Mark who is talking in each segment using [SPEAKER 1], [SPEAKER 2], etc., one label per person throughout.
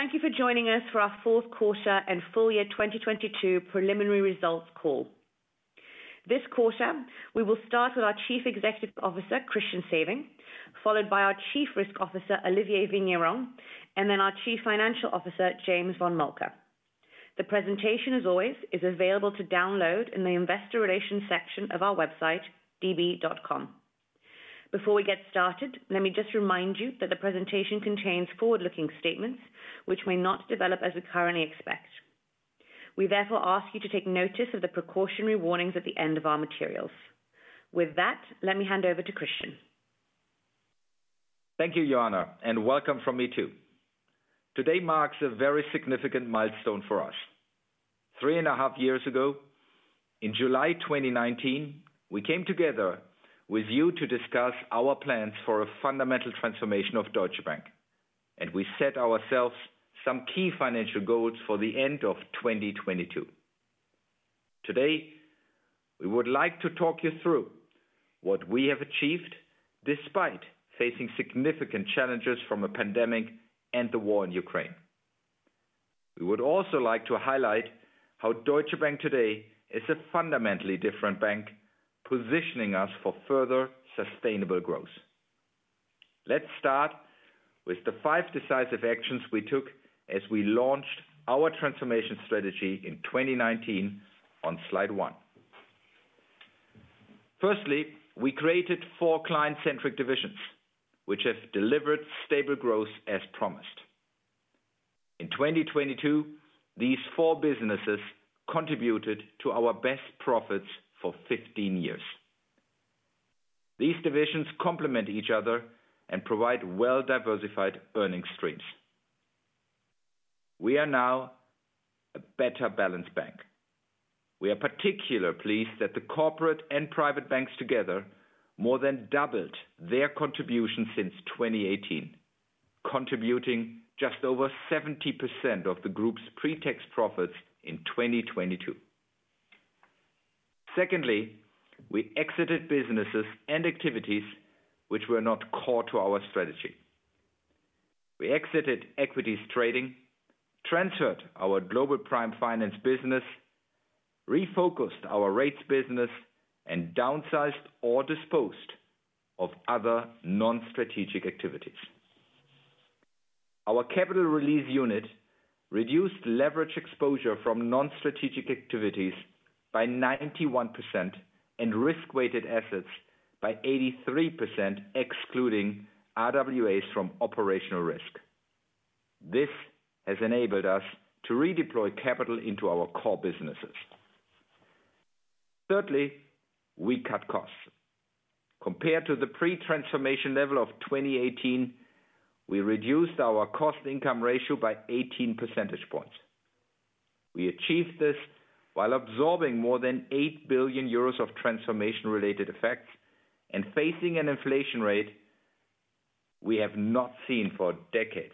[SPEAKER 1] Thank you for joining us for our Fourth Quarter and Full Year 2022 Preliminary Results Call. This quarter, we will start with our Chief Executive Officer, Christian Sewing, followed by our Chief Risk Officer, Olivier Vigneron, and then our Chief Financial Officer, James von Moltke. The presentation, as always, is available to download in the investor relations section of our website, db.com. Before we get started, let me just remind you that the presentation contains forward-looking statements which may not develop as we currently expect. We therefore ask you to take notice of the precautionary warnings at the end of our materials. With that, let me hand over to Christian.
[SPEAKER 2] Thank you, Joanna. Welcome from me too. Today marks a very significant milestone for us. Three and a half years ago, in July 2019, we came together with you to discuss our plans for a fundamental transformation of Deutsche Bank. We set ourselves some key financial goals for the end of 2022. Today, we would like to talk you through what we have achieved despite facing significant challenges from a pandemic and the war in Ukraine. We would also like to highlight how Deutsche Bank today is a fundamentally different bank, positioning us for further sustainable growth. Let's start with the five decisive actions we took as we launched our transformation strategy in 2019 on slide one. Firstly, we created four client-centric divisions which have delivered stable growth as promised. In 2022, these four businesses contributed to our best profits for 15 years. These divisions complement each other and provide well-diversified earning streams. We are now a better balanced bank. We are particularly pleased that the Corporate Bank and Private Bank together more than doubled their contribution since 2018, contributing just over 70% of the group's pre-tax profits in 2022. Secondly, we exited businesses and activities which were not core to our strategy. We exited equities trading, transferred our Global Prime Finance business, refocused our rates business, and downsized or disposed of other non-strategic activities. Our Capital Release Unit reduced leverage exposure from non-strategic activities by 91% and risk-weighted assets by 83%, excluding RWAs from operational risk. This has enabled us to redeploy capital into our core businesses. Thirdly, we cut costs. Compared to the pre-transformation level of 2018, we reduced our cost income ratio by 18 percentage points. We achieved this while absorbing more than 8 billion euros of transformation-related effects and facing an inflation rate we have not seen for decades.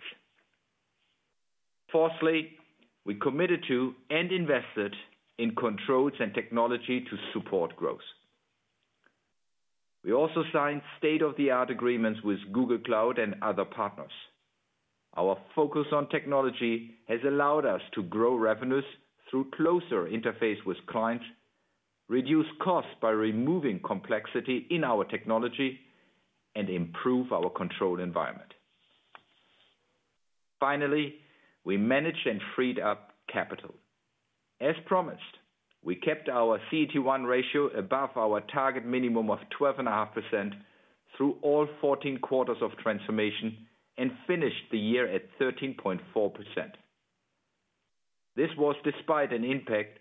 [SPEAKER 2] We committed to and invested in controls and technology to support growth. We also signed state-of-the-art agreements with Google Cloud and other partners. Our focus on technology has allowed us to grow revenues through closer interface with clients, reduce costs by removing complexity in our technology, and improve our control environment. We managed and freed up capital. As promised, we kept our CET1 ratio above our target minimum of 12.5% through all 14 quarters of transformation and finished the year at 13.4%. This was despite an impact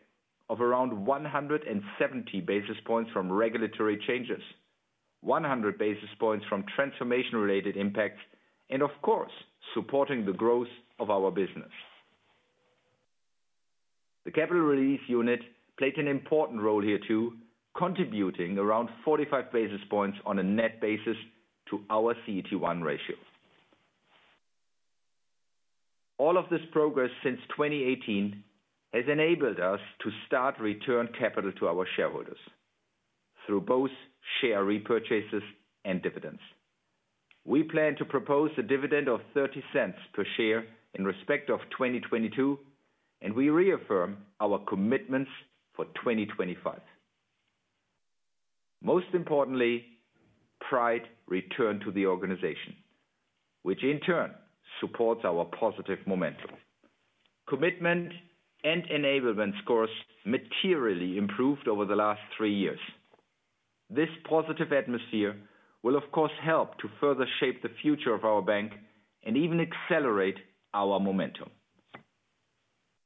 [SPEAKER 2] of around 170 basis points from regulatory changes, 100 basis points from transformation-related impacts, and of course, supporting the growth of our business. The Capital Release Unit played an important role here too, contributing around 45 basis points on a net basis to our CET1 ratio. All of this progress since 2018 has enabled us to start return capital to our shareholders through both share repurchases and dividends. We plan to propose a dividend of 0.30 per share in respect of 2022. We reaffirm our commitments for 2025. Most importantly, pride returned to the organization, which in turn supports our positive momentum. Commitment and enablement scores materially improved over the last three years. This positive atmosphere will of course help to further shape the future of our bank and even accelerate our momentum.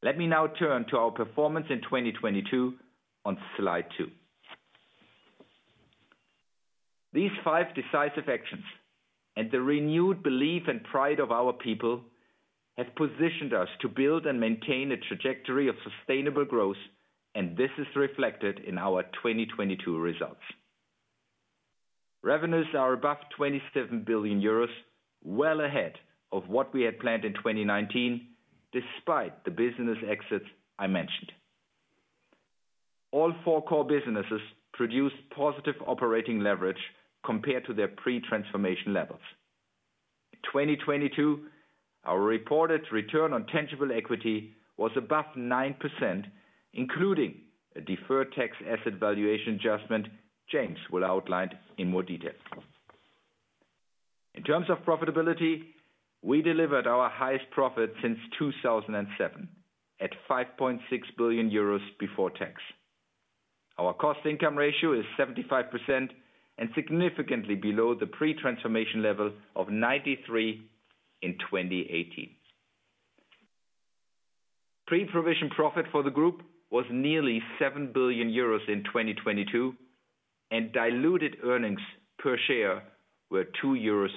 [SPEAKER 2] Let me now turn to our performance in 2022 on slide two. These five decisive actions and the renewed belief and pride of our people has positioned us to build and maintain a trajectory of sustainable growth. This is reflected in our 2022 results. Revenues are above 27 billion euros, well ahead of what we had planned in 2019, despite the business exits I mentioned. All four core businesses produced positive operating leverage compared to their pre-transformation levels. In 2022, our reported return on tangible equity was above 9%, including a deferred tax asset valuation adjustment James will outline in more detail. In terms of profitability, we delivered our highest profit since 2007 at 5.6 billion euros before tax. Our cost income ratio is 75% and significantly below the pre-transformation level of 93% in 2018. Pre-provision profit for the group was nearly 7 billion euros in 2022, and diluted earnings per share were 2.37 euros.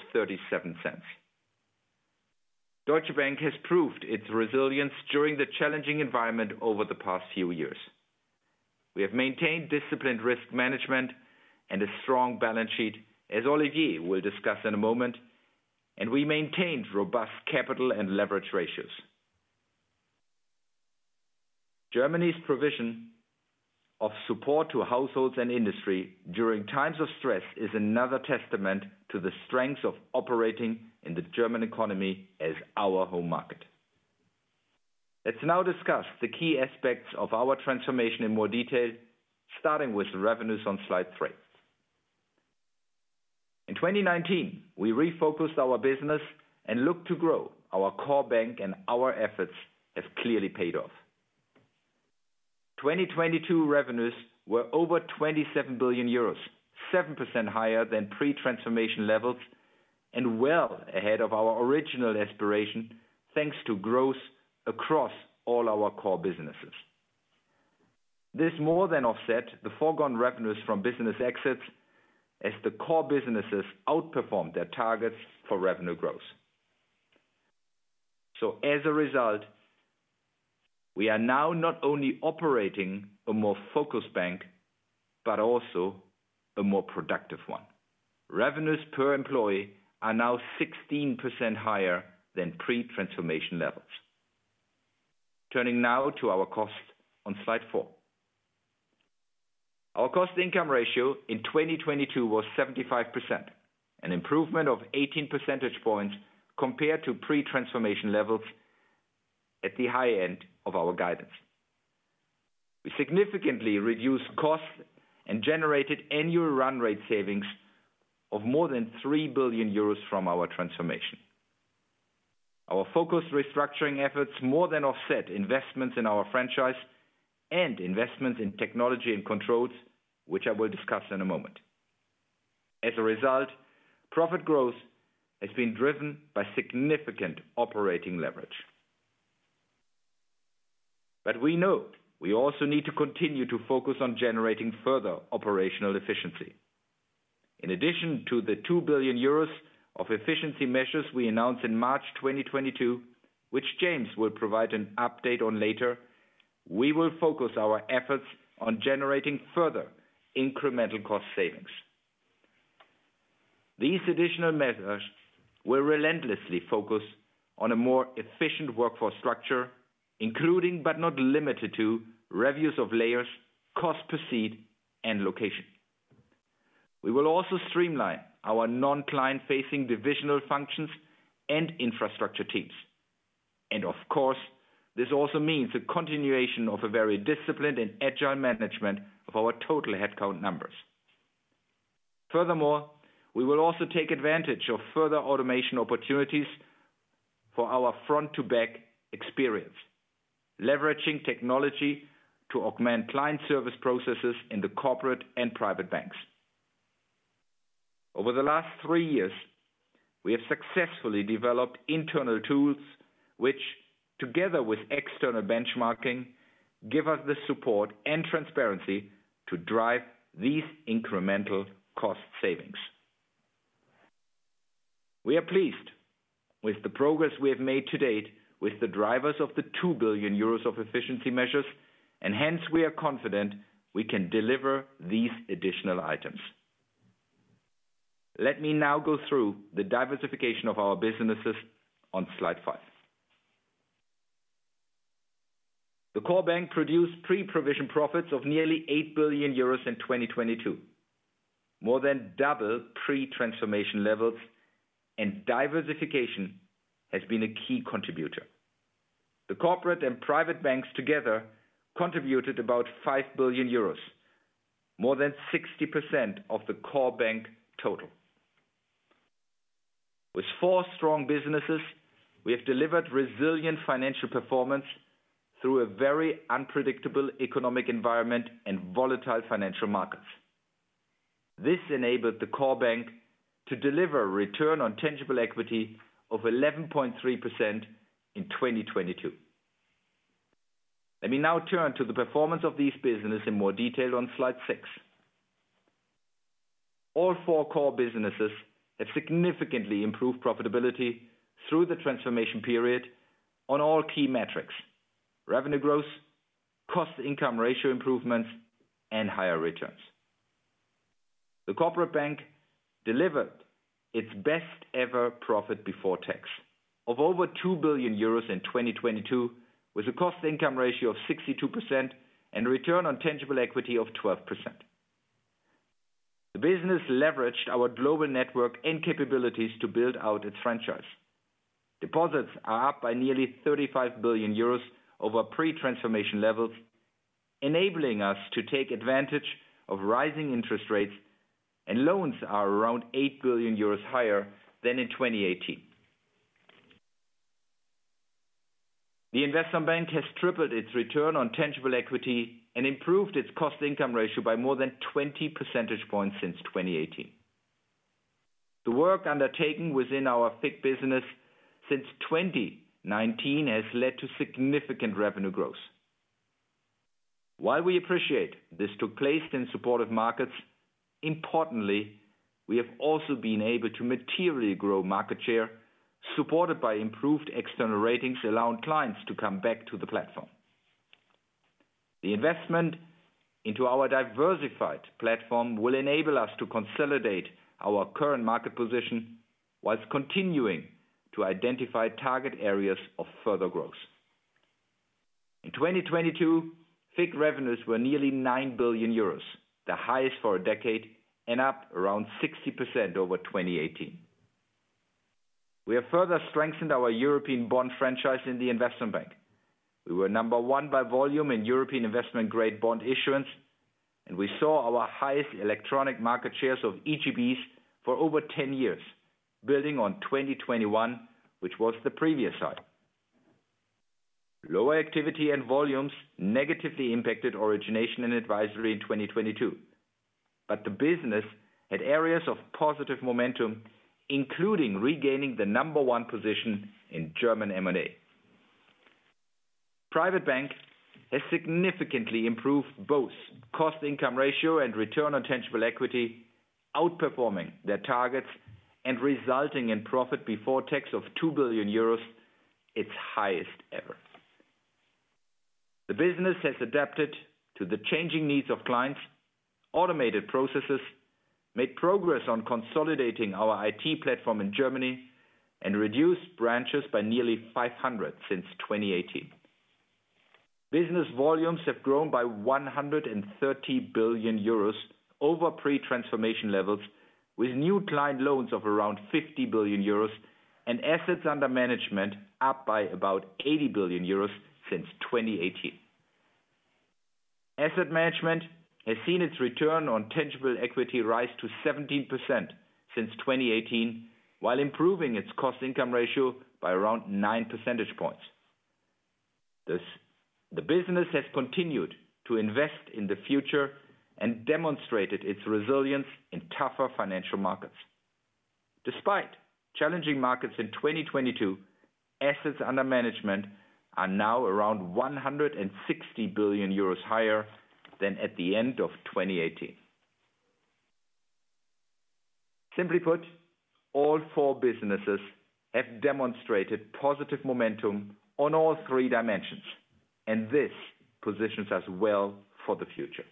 [SPEAKER 2] Deutsche Bank has proved its resilience during the challenging environment over the past few years. We have maintained disciplined risk management and a strong balance sheet, as Olivier will discuss in a moment, and we maintained robust capital and leverage ratios. Germany's provision of support to households and industry during times of stress is another testament to the strength of operating in the German economy as our home market. Let's now discuss the key aspects of our transformation in more detail, starting with the revenues on slide three. In 2019, we refocused our business and looked to grow our core bank, and our efforts have clearly paid off. 2022 revenues were over 27 billion euros, 7% higher than pre-transformation levels and well ahead of our original aspiration, thanks to growth across all our core businesses. This more than offset the foregone revenues from business exits as the core businesses outperformed their targets for revenue growth. As a result, we are now not only operating a more focused bank, but also a more productive one. Revenues per employee are now 16% higher than pre-transformation levels. Turning now to our cost on slide four. Our cost income ratio in 2022 was 75%, an improvement of 18 percentage points compared to pre-transformation levels at the high end of our guidance. We significantly reduced costs and generated annual run rate savings of more than 3 billion euros from our transformation. Our focused restructuring efforts more than offset investments in our franchise and investments in technology and controls, which I will discuss in a moment. We know we also need to continue to focus on generating further operational efficiency. In addition to the 2 billion euros of efficiency measures we announced in March 2022, which James will provide an update on later, we will focus our efforts on generating further incremental cost savings. These additional measures will relentlessly focus on a more efficient workforce structure, including, but not limited to, reviews of layers, cost per seat and location. We will also streamline our non-client facing divisional functions and infrastructure teams. Of course, this also means a continuation of a very disciplined and agile management of our total headcount numbers. We will also take advantage of further automation opportunities for our front to back experience, leveraging technology to augment client service processes in the Corporate and Private Banks. Over the last three years, we have successfully developed internal tools, which together with external benchmarking, give us the support and transparency to drive these incremental cost savings. We are pleased with the progress we have made to date with the drivers of the 2 billion euros of efficiency measures, we are confident we can deliver these additional items. Let me now go through the diversification of our businesses on slide five. The core bank produced pre-provision profits of nearly 8 billion euros in 2022, more than double pre-transformation levels and diversification has been a key contributor. The Corporate and Private Banks together contributed about 5 billion euros, more than 60% of the core bank total. With four strong businesses, we have delivered resilient financial performance through a very unpredictable economic environment and volatile financial markets. This enabled the core bank to deliver a return on tangible equity of 11.3% in 2022. Let me now turn to the performance of these business in more detail on slide six. All four core businesses have significantly improved profitability through the transformation period on all key metrics, revenue growth, cost income ratio improvements, and higher returns. The Corporate Bank delivered its best ever profit before tax of over 2 billion euros in 2022, with a cost income ratio of 62% and return on tangible equity of 12%. The business leveraged our global network and capabilities to build out its franchise. Deposits are up by nearly 35 billion euros over pre-transformation levels, enabling us to take advantage of rising interest rates, and loans are around 8 billion euros higher than in 2018. The Investment Bank has tripled its return on tangible equity and improved its cost income ratio by more than 20 percentage points since 2018. The work undertaken within our FICC business since 2019 has led to significant revenue growth. While we appreciate this took place in supportive markets, importantly, we have also been able to materially grow market share supported by improved external ratings, allowing clients to come back to the platform. The investment into our diversified platform will enable us to consolidate our current market position while continuing to identify target areas of further growth. In 2022, FICC revenues were nearly 9 billion euros, the highest for a decade and up around 60% over 2018. We have further strengthened our European bond franchise in the Investment Bank. We were number one by volume in European investment grade bond issuance, and we saw our highest electronic market shares of EGBs for over 10 years, building on 2021, which was the previous high. Lower activity and volumes negatively impacted Origination & Advisory in 2022. The business had areas of positive momentum, including regaining the number one position in German M&A. Private Bank has significantly improved both cost income ratio and return on tangible equity outperforming their targets and resulting in profit before tax of 2 billion euros, its highest ever. The business has adapted to the changing needs of clients, automated processes, made progress on consolidating our IT platform in Germany and reduced branches by nearly 500 since 2018. Business volumes have grown by 130 billion euros over pre-transformation levels, with new client loans of around 50 billion euros and assets under management up by about 80 billion euros since 2018. Asset Management has seen its return on tangible equity rise to 17% since 2018, while improving its cost income ratio by around 9 percentage points. This, the business has continued to invest in the future and demonstrated its resilience in tougher financial markets. Despite challenging markets in 2022, assets under management are now around 160 billion euros higher than at the end of 2018. Simply put, all four businesses have demonstrated positive momentum on all three dimensions, and this positions us well for the future.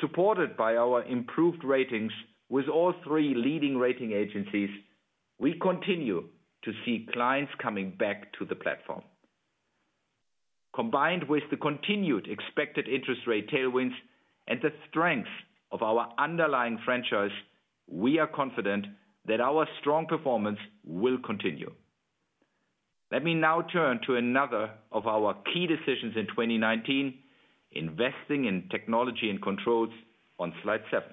[SPEAKER 2] Supported by our improved ratings with all three leading rating agencies, we continue to see clients coming back to the platform. Combined with the continued expected interest rate tailwinds and the strength of our underlying franchise, we are confident that our strong performance will continue. Let me now turn to another of our key decisions in 2019, investing in technology and controls on slide seven.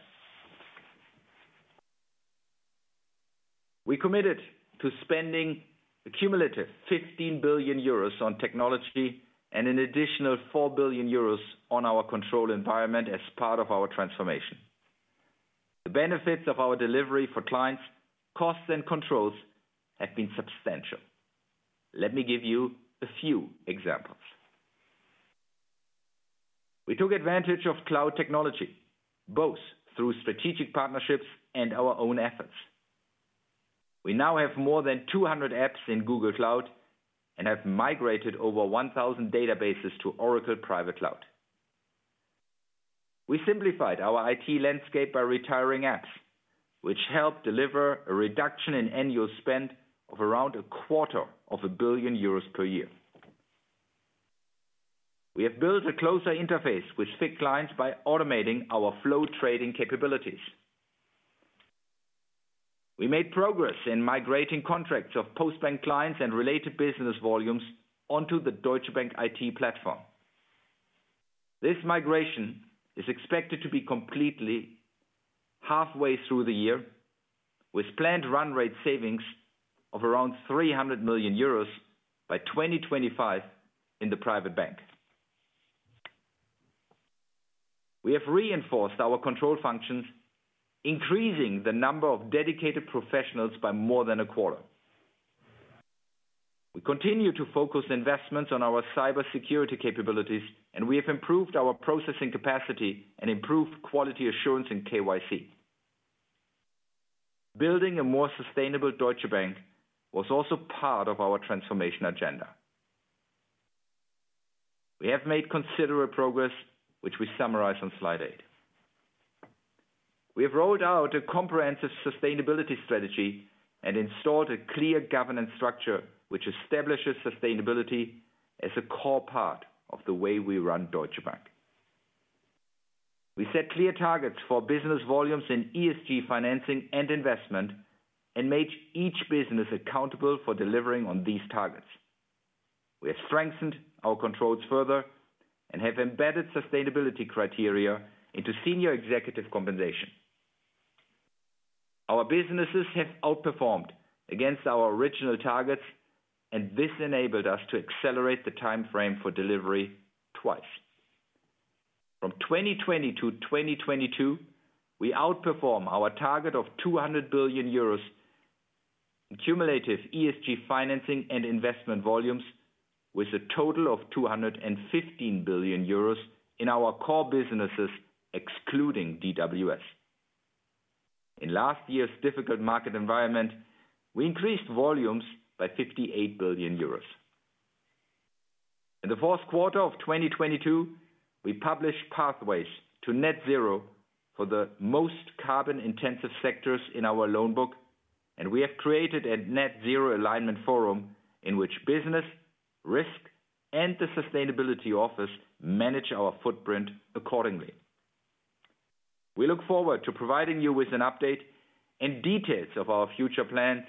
[SPEAKER 2] We committed to spending a cumulative 15 billion euros on technology and an additional 4 billion euros on our control environment as part of our transformation. The benefits of our delivery for clients, costs and controls have been substantial. Let me give you a few examples. We took advantage of cloud technology, both through strategic partnerships and our own efforts. We now have more than 200 apps in Google Cloud and have migrated over 1,000 databases to Oracle Private Cloud. We simplified our IT landscape by retiring apps, which helped deliver a reduction in annual spend of around a quarter of a billion euros per year. We have built a closer interface with FICC clients by automating our flow trading capabilities. We made progress in migrating contracts of Postbank clients and related business volumes onto the Deutsche Bank IT platform. This migration is expected to be completely halfway through the year with planned run rate savings of around 300 million euros by 2025 in the Private Bank. We have reinforced our control functions, increasing the number of dedicated professionals by more than a quarter. We continue to focus investments on our cybersecurity capabilities, and we have improved our processing capacity and improved quality assurance in KYC. Building a more sustainable Deutsche Bank was also part of our transformation agenda. We have made considerable progress, which we summarize on slide eight. We have rolled out a comprehensive sustainability strategy and installed a clear governance structure, which establishes sustainability as a core part of the way we run Deutsche Bank. We set clear targets for business volumes in ESG financing and investment and made each business accountable for delivering on these targets. We have strengthened our controls further and have embedded sustainability criteria into senior executive compensation. Our businesses have outperformed against our original targets, and this enabled us to accelerate the timeframe for delivery twice. From 2020 to 2022, we outperform our target of 200 billion euros in cumulative ESG financing and investment volumes with a total of 215 billion euros in our core businesses, excluding DWS. In last year's difficult market environment, we increased volumes by 58 billion euros. In the fourth quarter of 2022, we published pathways to net zero for the most carbon-intensive sectors in our loan book, we have created a Net Zero Alignment Forum in which business, risk, and the sustainability office manage our footprint accordingly. We look forward to providing you with an update and details of our future plans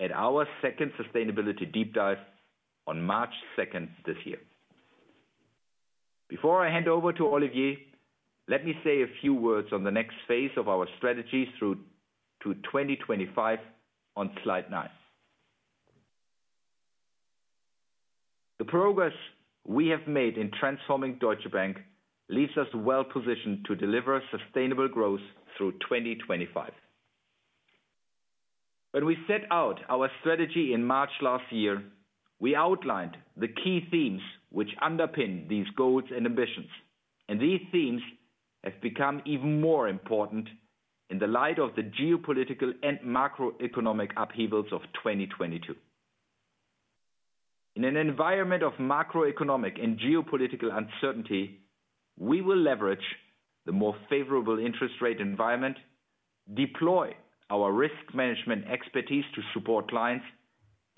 [SPEAKER 2] at our second sustainability deep dive on March second this year. Before I hand over to Olivier, let me say a few words on the next phase of our strategy through to 2025 on slide nine. The progress we have made in transforming Deutsche Bank leaves us well-positioned to deliver sustainable growth through 2025. When we set out our strategy in March last year, we outlined the key themes which underpin these goals and ambitions. These themes have become even more important in the light of the geopolitical and macroeconomic upheavals of 2022. In an environment of macroeconomic and geopolitical uncertainty, we will leverage the more favorable interest rate environment, deploy our risk management expertise to support clients,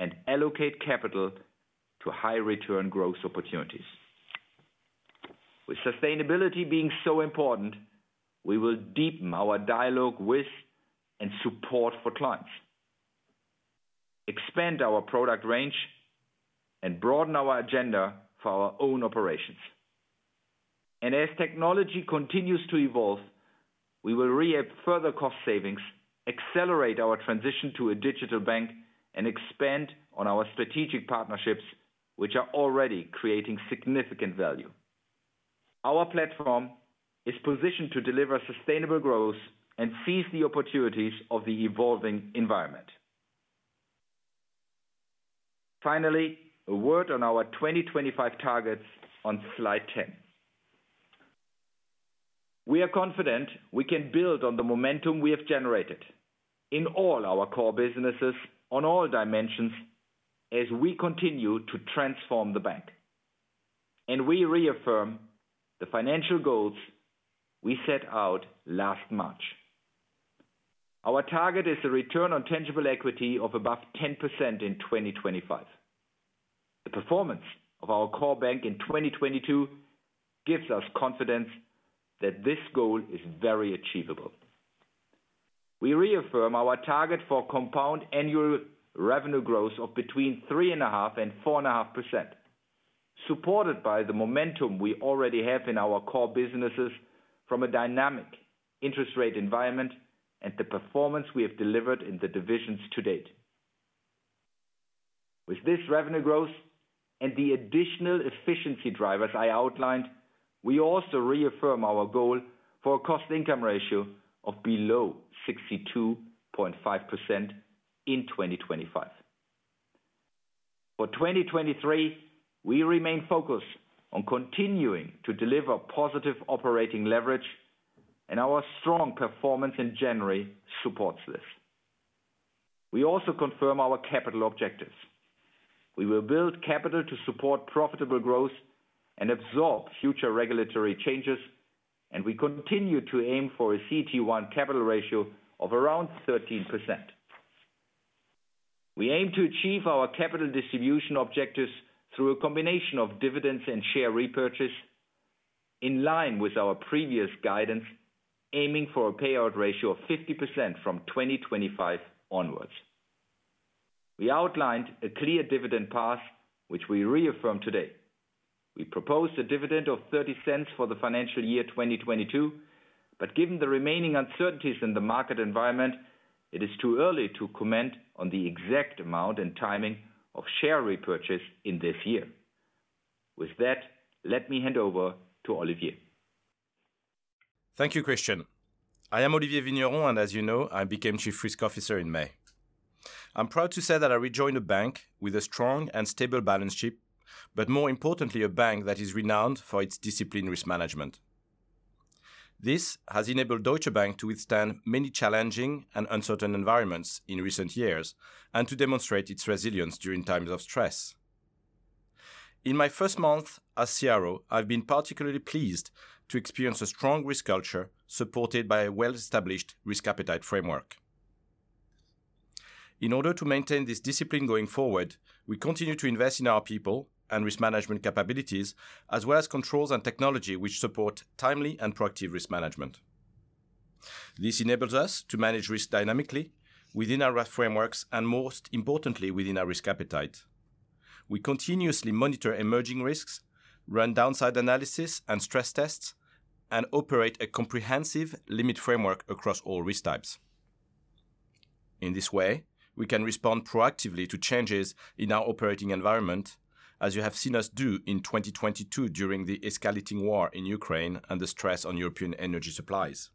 [SPEAKER 2] and allocate capital to high return growth opportunities. With sustainability being so important, we will deepen our dialogue with and support for clients, expand our product range, and broaden our agenda for our own operations. As technology continues to evolve, we will reap further cost savings, accelerate our transition to a digital bank, and expand on our strategic partnerships, which are already creating significant value. Our platform is positioned to deliver sustainable growth and seize the opportunities of the evolving environment. Finally, a word on our 2025 targets on slide 10. We are confident we can build on the momentum we have generated in all our core businesses on all dimensions as we continue to transform the bank, and we reaffirm the financial goals we set out last March. Our target is a return on tangible equity of above 10% in 2025. The performance of our core bank in 2022 gives us confidence that this goal is very achievable. We reaffirm our target for compound annual revenue growth of between 3.5% and 4.5%, supported by the momentum we already have in our core businesses from a dynamic interest rate environment and the performance we have delivered in the divisions to date. With this revenue growth and the additional efficiency drivers I outlined, we also reaffirm our goal for a cost-income ratio of below 62.5% in 2025. For 2023, we remain focused on continuing to deliver positive operating leverage, and our strong performance in January supports this. We also confirm our capital objectives. We will build capital to support profitable growth and absorb future regulatory changes, and we continue to aim for a CET1 capital ratio of around 13%. We aim to achieve our capital distribution objectives through a combination of dividends and share repurchase in line with our previous guidance, aiming for a payout ratio of 50% from 2025 onwards. We outlined a clear dividend path, which we reaffirm today. We proposed a dividend of 0.30 for the financial year 2022. Given the remaining uncertainties in the market environment, it is too early to comment on the exact amount and timing of share repurchase in this year. With that, let me hand over to Olivier.
[SPEAKER 3] Thank you, Christian. I am Olivier Vigneron. As you know, I became Chief Risk Officer in May. I'm proud to say that I rejoined a bank with a strong and stable balance sheet, more importantly, a bank that is renowned for its disciplined risk management. This has enabled Deutsche Bank to withstand many challenging and uncertain environments in recent years and to demonstrate its resilience during times of stress. In my first month as CRO, I've been particularly pleased to experience a strong risk culture supported by a well-established risk appetite framework. In order to maintain this discipline going forward, we continue to invest in our people and risk management capabilities as well as controls and technology which support timely and proactive risk management. This enables us to manage risk dynamically within our risk frameworks and most importantly, within our risk appetite. We continuously monitor emerging risks, run downside analysis and stress tests, and operate a comprehensive limit framework across all risk types. In this way, we can respond proactively to changes in our operating environment, as you have seen us do in 2022 during the escalating war in Ukraine and the stress on European energy supplies.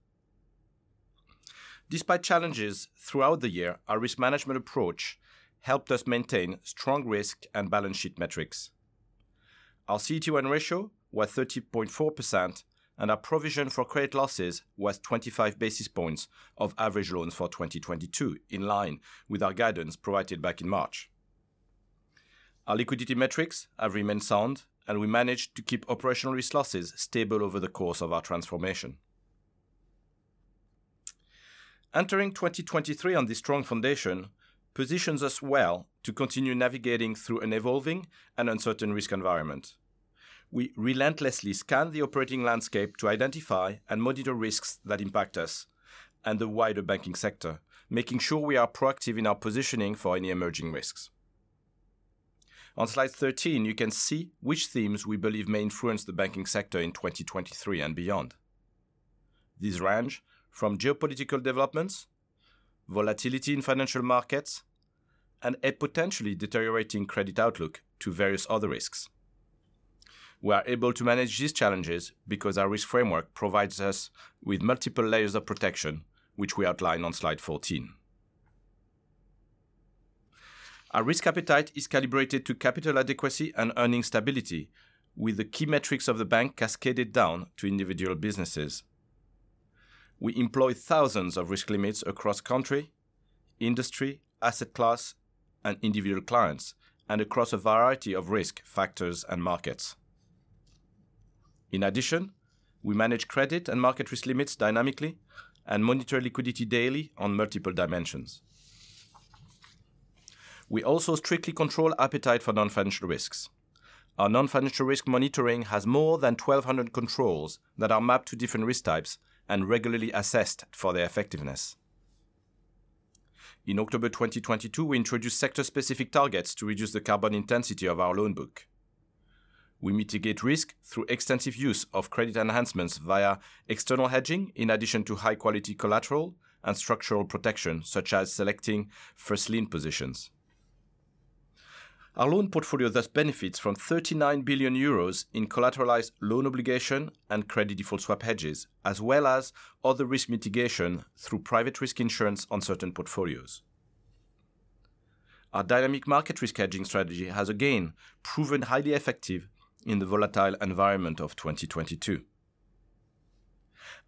[SPEAKER 3] Despite challenges throughout the year, our risk management approach helped us maintain strong risk and balance sheet metrics. Our CET1 ratio was 30.4% and our provision for credit losses was 25 basis points of average loans for 2022, in line with our guidance provided back in March. Our liquidity metrics have remained sound, and we managed to keep operational risk losses stable over the course of our transformation. Entering 2023 on this strong foundation positions us well to continue navigating through an evolving and uncertain risk environment. We relentlessly scan the operating landscape to identify and monitor risks that impact us and the wider banking sector, making sure we are proactive in our positioning for any emerging risks. On slide 13, you can see which themes we believe may influence the banking sector in 2023 and beyond. These range from geopolitical developments, volatility in financial markets, and a potentially deteriorating credit outlook to various other risks. We are able to manage these challenges because our risk framework provides us with multiple layers of protection, which we outline on slide 14. Our risk appetite is calibrated to capital adequacy and earning stability, with the key metrics of the bank cascaded down to individual businesses. We employ thousands of risk limits across country, industry, asset class, and individual clients, and across a variety of risk factors and markets. We manage credit and market risk limits dynamically and monitor liquidity daily on multiple dimensions. We also strictly control appetite for non-financial risks. Our non-financial risk monitoring has more than 1,200 controls that are mapped to different risk types and regularly assessed for their effectiveness. In October 2022, we introduced sector-specific targets to reduce the carbon intensity of our loan book. We mitigate risk through extensive use of credit enhancements via external hedging in addition to high-quality collateral and structural protection, such as selecting first lien positions. Our loan portfolio thus benefits from 39 billion euros in collateralized loan obligation and credit default swap hedges, as well as other risk mitigation through private risk insurance on certain portfolios. Our dynamic market risk hedging strategy has again proven highly effective in the volatile environment of 2022.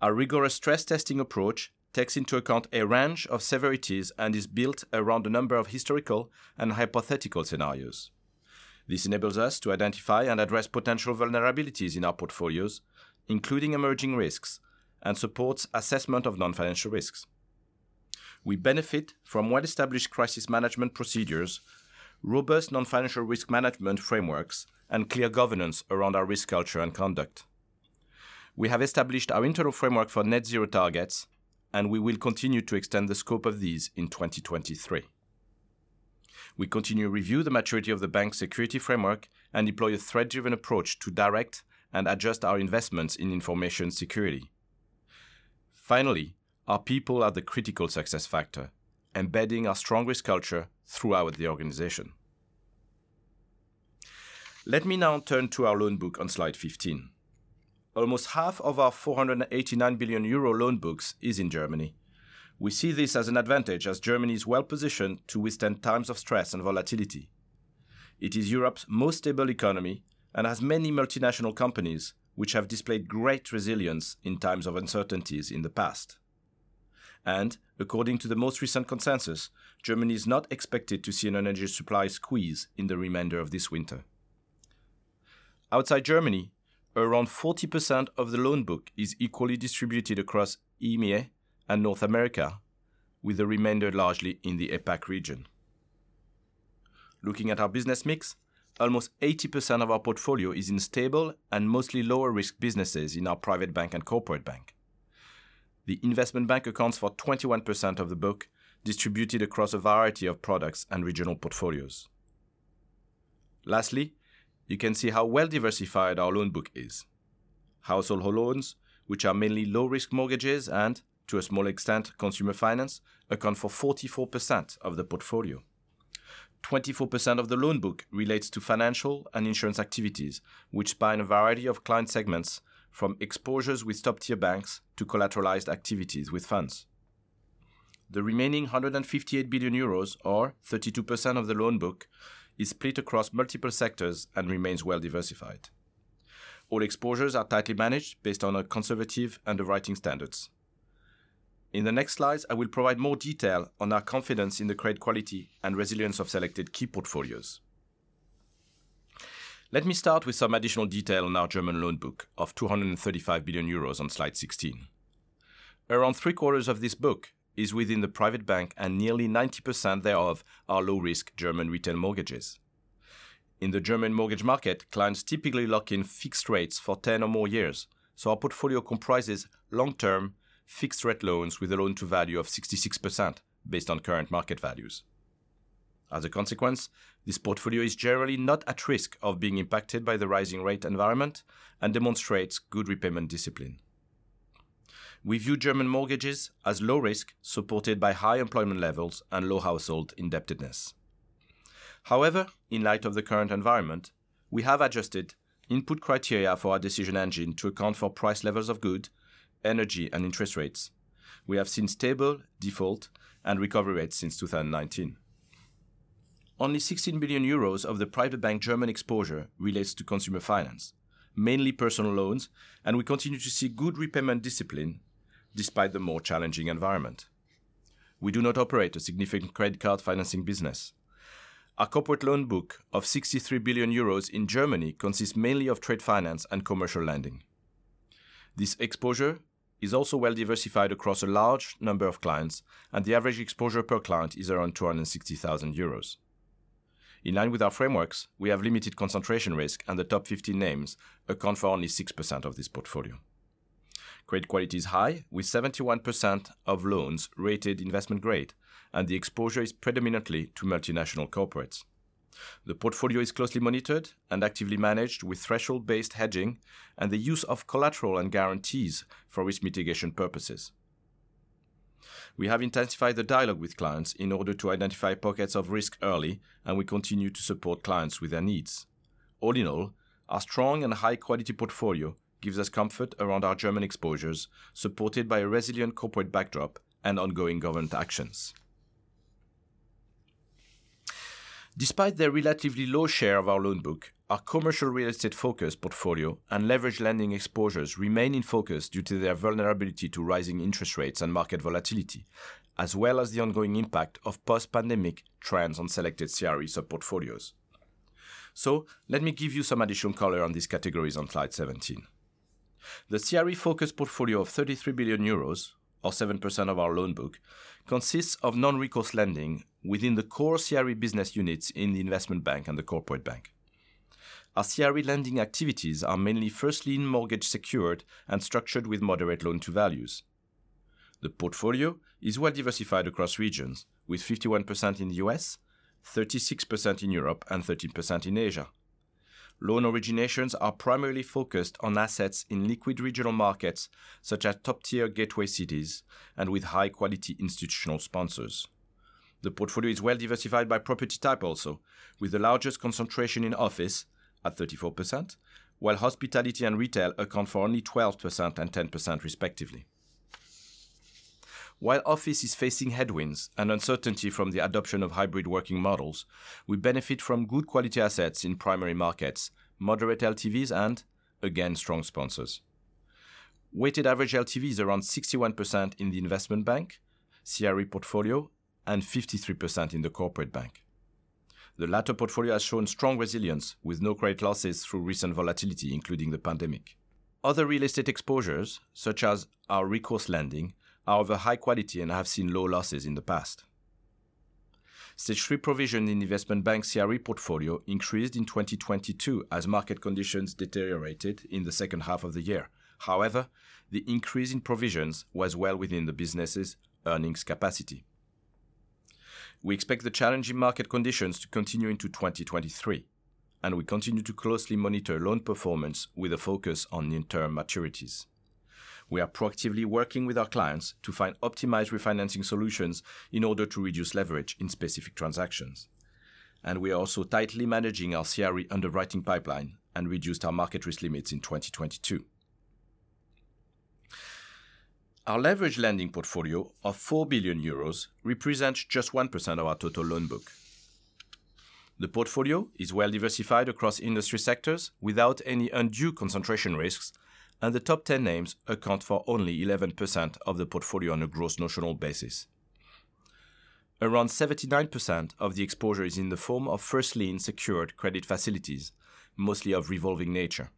[SPEAKER 3] Our rigorous stress testing approach takes into account a range of severities and is built around a number of historical and hypothetical scenarios. This enables us to identify and address potential vulnerabilities in our portfolios, including emerging risks and supports assessment of non-financial risks. We benefit from well-established crisis management procedures, robust non-financial risk management frameworks, and clear governance around our risk culture and conduct. We have established our internal framework for net-zero targets, and we will continue to extend the scope of these in 2023. We continue to review the maturity of the bank security framework and deploy a threat-driven approach to direct and adjust our investments in information security. Finally, our people are the critical success factor, embedding our strongest culture throughout the organization. Let me now turn to our loan book on slide 15. Almost half of our 489 billion euro loan books is in Germany. We see this as an advantage as Germany is well-positioned to withstand times of stress and volatility. It is Europe's most stable economy and has many multinational companies which have displayed great resilience in times of uncertainties in the past. According to the most recent consensus, Germany is not expected to see an energy supply squeeze in the remainder of this winter. Outside Germany, around 40% of the loan book is equally distributed across EMEA and North America, with the remainder largely in the APAC region. Looking at our business mix, almost 80% of our portfolio is in stable and mostly lower-risk businesses in our Private Bank and Corporate Bank. The Investment Bank accounts for 21% of the book distributed across a variety of products and regional portfolios. Lastly, you can see how well-diversified our loan book is. Household loans, which are mainly low-risk mortgages and, to a small extent, consumer finance, account for 44% of the portfolio. 24% of the loan book relates to financial and insurance activities, which span a variety of client segments from exposures with sub-tier banks to collateralized activities with funds. The remaining 158 billion euros, or 32% of the loan book, is split across multiple sectors and remains well-diversified. All exposures are tightly managed based on our conservative underwriting standards. In the next slides, I will provide more detail on our confidence in the credit quality and resilience of selected key portfolios. Let me start with some additional detail on our German loan book of 235 billion euros on slide 16. Nearly 90% thereof are low-risk German retail mortgages. In the German mortgage market, clients typically lock in fixed rates for 10 or more years, our portfolio comprises long-term fixed rate loans with a loan-to-value of 66% based on current market values. As a consequence, this portfolio is generally not at risk of being impacted by the rising rate environment and demonstrates good repayment discipline. We view German mortgages as low risk, supported by high employment levels and low household indebtedness. However, in light of the current environment, we have adjusted input criteria for our decision engine to account for price levels of good, energy, and interest rates. We have seen stable default and recovery rates since 2019. Only 16 billion euros of the Private Bank German exposure relates to consumer finance, mainly personal loans, and we continue to see good repayment discipline despite the more challenging environment. We do not operate a significant credit card financing business. Our corporate loan book of 63 billion euros in Germany consists mainly of trade finance and commercial lending. This exposure is also well-diversified across a large number of clients, and the average exposure per client is around 260 thousand euros. In line with our frameworks, we have limited concentration risk, and the top 15 names account for only 6% of this portfolio. Credit quality is high, with 71% of loans rated investment grade, and the exposure is predominantly to multinational corporates. The portfolio is closely monitored and actively managed with threshold-based hedging and the use of collateral and guarantees for risk mitigation purposes. We have intensified the dialogue with clients in order to identify pockets of risk early, and we continue to support clients with their needs. All in all, our strong and high-quality portfolio gives us comfort around our German exposures, supported by a resilient corporate backdrop and ongoing government actions. Despite their relatively low share of our loan book, our commercial real estate focused portfolio and leveraged lending exposures remain in focus due to their vulnerability to rising interest rates and market volatility, as well as the ongoing impact of post-pandemic trends on selected CRE sub-portfolios. Let me give you some additional color on these categories on slide 17. The CRE focused portfolio of 33 billion euros, or 7% of our loan book, consists of non-recourse lending within the core CRE business units in the Investment Bank and the Corporate Bank. Our CRE lending activities are mainly first lien mortgage secured and structured with moderate loan to values. The portfolio is well-diversified across regions, with 51% in the U.S., 36% in Europe, and 13% in Asia. Loan originations are primarily focused on assets in liquid regional markets such as top-tier gateway cities and with high quality institutional sponsors. The portfolio is well-diversified by property type also, with the largest concentration in office at 34%, while hospitality and retail account for only 12% and 10% respectively. While office is facing headwinds and uncertainty from the adoption of hybrid working models, we benefit from good quality assets in primary markets, moderate LTVs, and, again, strong sponsors. Weighted average LTV is around 61% in the Investment Bank, CRE portfolio, and 53% in the Corporate Bank. The latter portfolio has shown strong resilience with no credit losses through recent volatility, including the pandemic. Other real estate exposures, such as our recourse lending, are of a high quality and have seen low losses in the past. stage three provision in Investment Bank CRE portfolio increased in 2022 as market conditions deteriorated in the second half of the year. However, the increase in provisions was well within the business's earnings capacity. We expect the challenging market conditions to continue into 2023, and we continue to closely monitor loan performance with a focus on near-term maturities. We are proactively working with our clients to find optimized refinancing solutions in order to reduce leverage in specific transactions, and we are also tightly managing our CRE underwriting pipeline and reduced our market risk limits in 2022. Our leveraged lending portfolio of 4 billion euros represents just 1% of our total loan book. The portfolio is well-diversified across industry sectors without any undue concentration risks, and the top 10 names account for only 11% of the portfolio on a gross notional basis. Around 79% of the exposure is in the form of first lien secured credit facilities, mostly of revolving nature.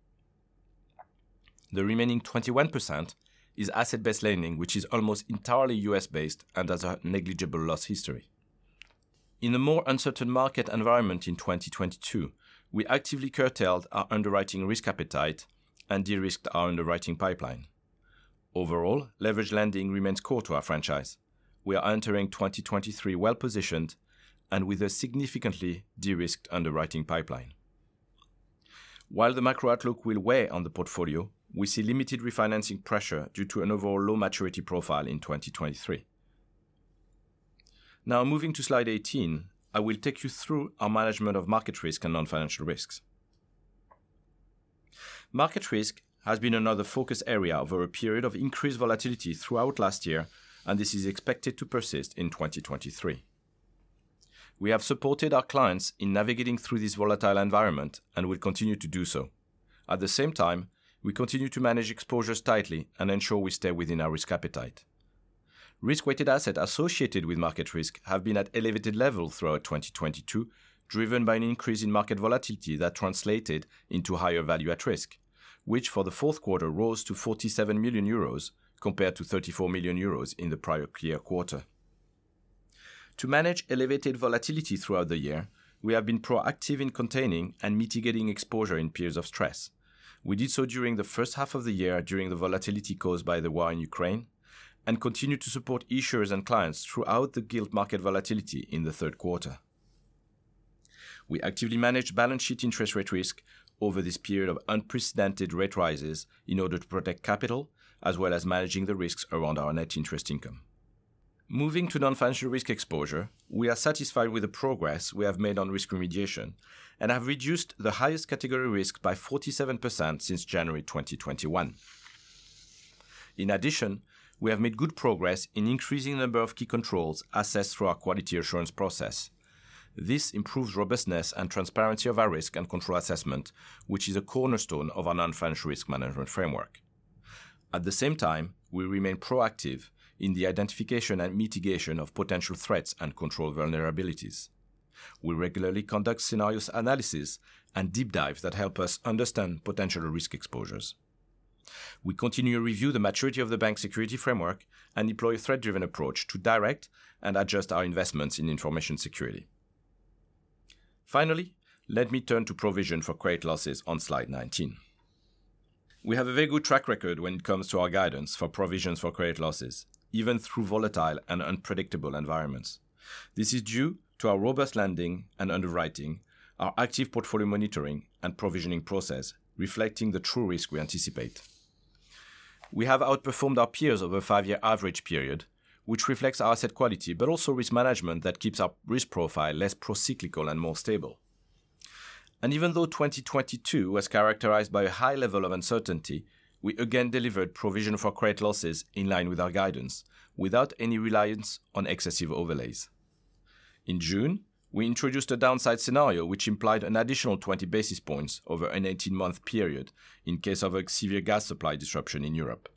[SPEAKER 3] The remaining 21% is asset-based lending, which is almost entirely U.S.-based and has a negligible loss history. In a more uncertain market environment in 2022, we actively curtailed our underwriting risk appetite and de-risked our underwriting pipeline. Overall, leveraged lending remains core to our franchise. We are entering 2023 well-positioned and with a significantly de-risked underwriting pipeline. While the macro outlook will weigh on the portfolio, we see limited refinancing pressure due to an overall low maturity profile in 2023. Now moving to slide 18, I will take you through our management of market risk and non-financial risks. Market risk has been another focus area over a period of increased volatility throughout last year, and this is expected to persist in 2023. We have supported our clients in navigating through this volatile environment and will continue to do so. At the same time, we continue to manage exposures tightly and ensure we stay within our risk appetite. Risk-weighted assets associated with market risk have been at elevated levels throughout 2022, driven by an increase in market volatility that translated into higher Value at Risk, which for the fourth quarter rose to 47 million euros compared to 34 million euros in the prior-year quarter. To manage elevated volatility throughout the year, we have been proactive in containing and mitigating exposure in periods of stress. We did so during the first half of the year during the volatility caused by the war in Ukraine, and continued to support issuers and clients throughout the gilt market volatility in the third quarter. We actively managed balance sheet interest rate risk over this period of unprecedented rate rises in order to protect capital as well as managing the risks around our net interest income. Moving to non-financial risk exposure, we are satisfied with the progress we have made on risk remediation and have reduced the highest category risk by 47% since January 2021. In addition, we have made good progress in increasing number of key controls assessed through our quality assurance process. This improves robustness and transparency of our risk and control assessment, which is a cornerstone of our non-financial risk management framework. At the same time, we remain proactive in the identification and mitigation of potential threats and control vulnerabilities. We regularly conduct scenarios analysis and deep dives that help us understand potential risk exposures. We continually review the maturity of the bank security framework and deploy a threat-driven approach to direct and adjust our investments in information security. Finally, let me turn to provision for credit losses on slide 19. We have a very good track record when it comes to our guidance for provisions for credit losses, even through volatile and unpredictable environments. This is due to our robust lending and underwriting, our active portfolio monitoring and provisioning process, reflecting the true risk we anticipate. We have outperformed our peers over a five-year average period, which reflects our asset quality, but also risk management that keeps our risk profile less procyclical and more stable. Even though 2022 was characterized by a high level of uncertainty, we again delivered provision for credit losses in line with our guidance without any reliance on excessive overlays. In June, we introduced a downside scenario which implied an additional 20 basis points over an 18-month period in case of a severe gas supply disruption in Europe.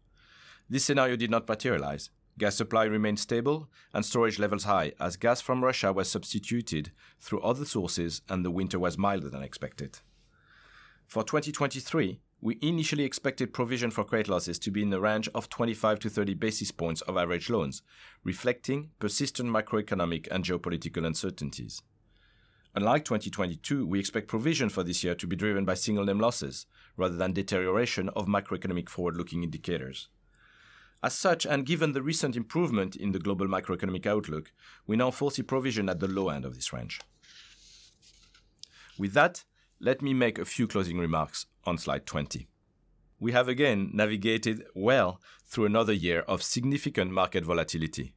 [SPEAKER 3] This scenario did not materialize. Gas supply remained stable and storage levels high as gas from Russia was substituted through other sources and the winter was milder than expected. For 2023, we initially expected provision for credit losses to be in the range of 25-30 basis points of average loans, reflecting persistent macroeconomic and geopolitical uncertainties. Unlike 2022, we expect provision for this year to be driven by single name losses rather than deterioration of macroeconomic forward-looking indicators. As such, given the recent improvement in the global macroeconomic outlook, we now foresee provision at the low end of this range. With that, let me make a few closing remarks on slide 20. We have again navigated well through another year of significant market volatility.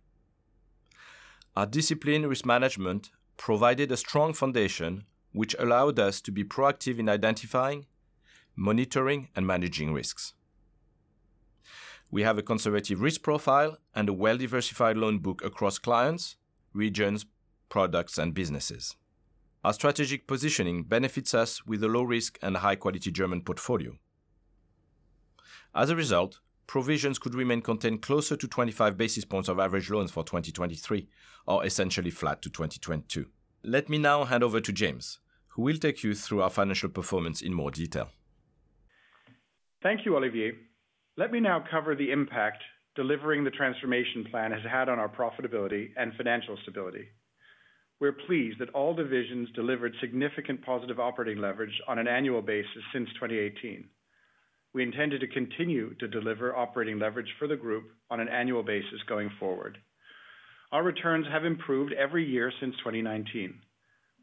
[SPEAKER 3] Our disciplined risk management provided a strong foundation, which allowed us to be proactive in identifying, monitoring, and managing risks. We have a conservative risk profile and a well-diversified loan book across clients, regions, products, and businesses. Our strategic positioning benefits us with a low risk and high-quality German portfolio. As a result, provisions could remain contained closer to 25 basis points of average loans for 2023 or essentially flat to 2022. Let me now hand over to James, who will take you through our financial performance in more detail.
[SPEAKER 4] Thank you, Olivier. Let me now cover the impact delivering the transformation plan has had on our profitability and financial stability. We're pleased that all divisions delivered significant positive operating leverage on an annual basis since 2018. We intended to continue to deliver operating leverage for the group on an annual basis going forward. Our returns have improved every year since 2019.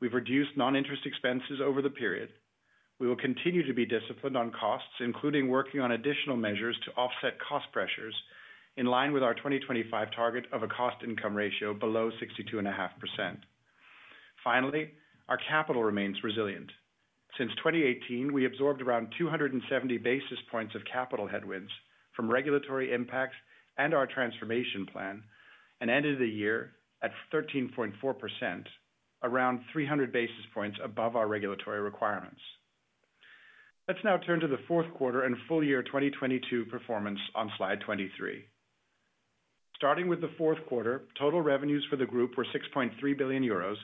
[SPEAKER 4] We've reduced non-interest expenses over the period. We will continue to be disciplined on costs, including working on additional measures to offset cost pressures in line with our 2025 target of a cost-income ratio below 62.5%. Finally, our capital remains resilient. Since 2018, we absorbed around 270 basis points of capital headwinds from regulatory impacts and our transformation plan and ended the year at 13.4%, around 300 basis points above our regulatory requirements. Let's now turn to the fourth quarter and full year 2022 performance on slide 23. Starting with the fourth quarter, total revenues for the group were 6.3 billion euros,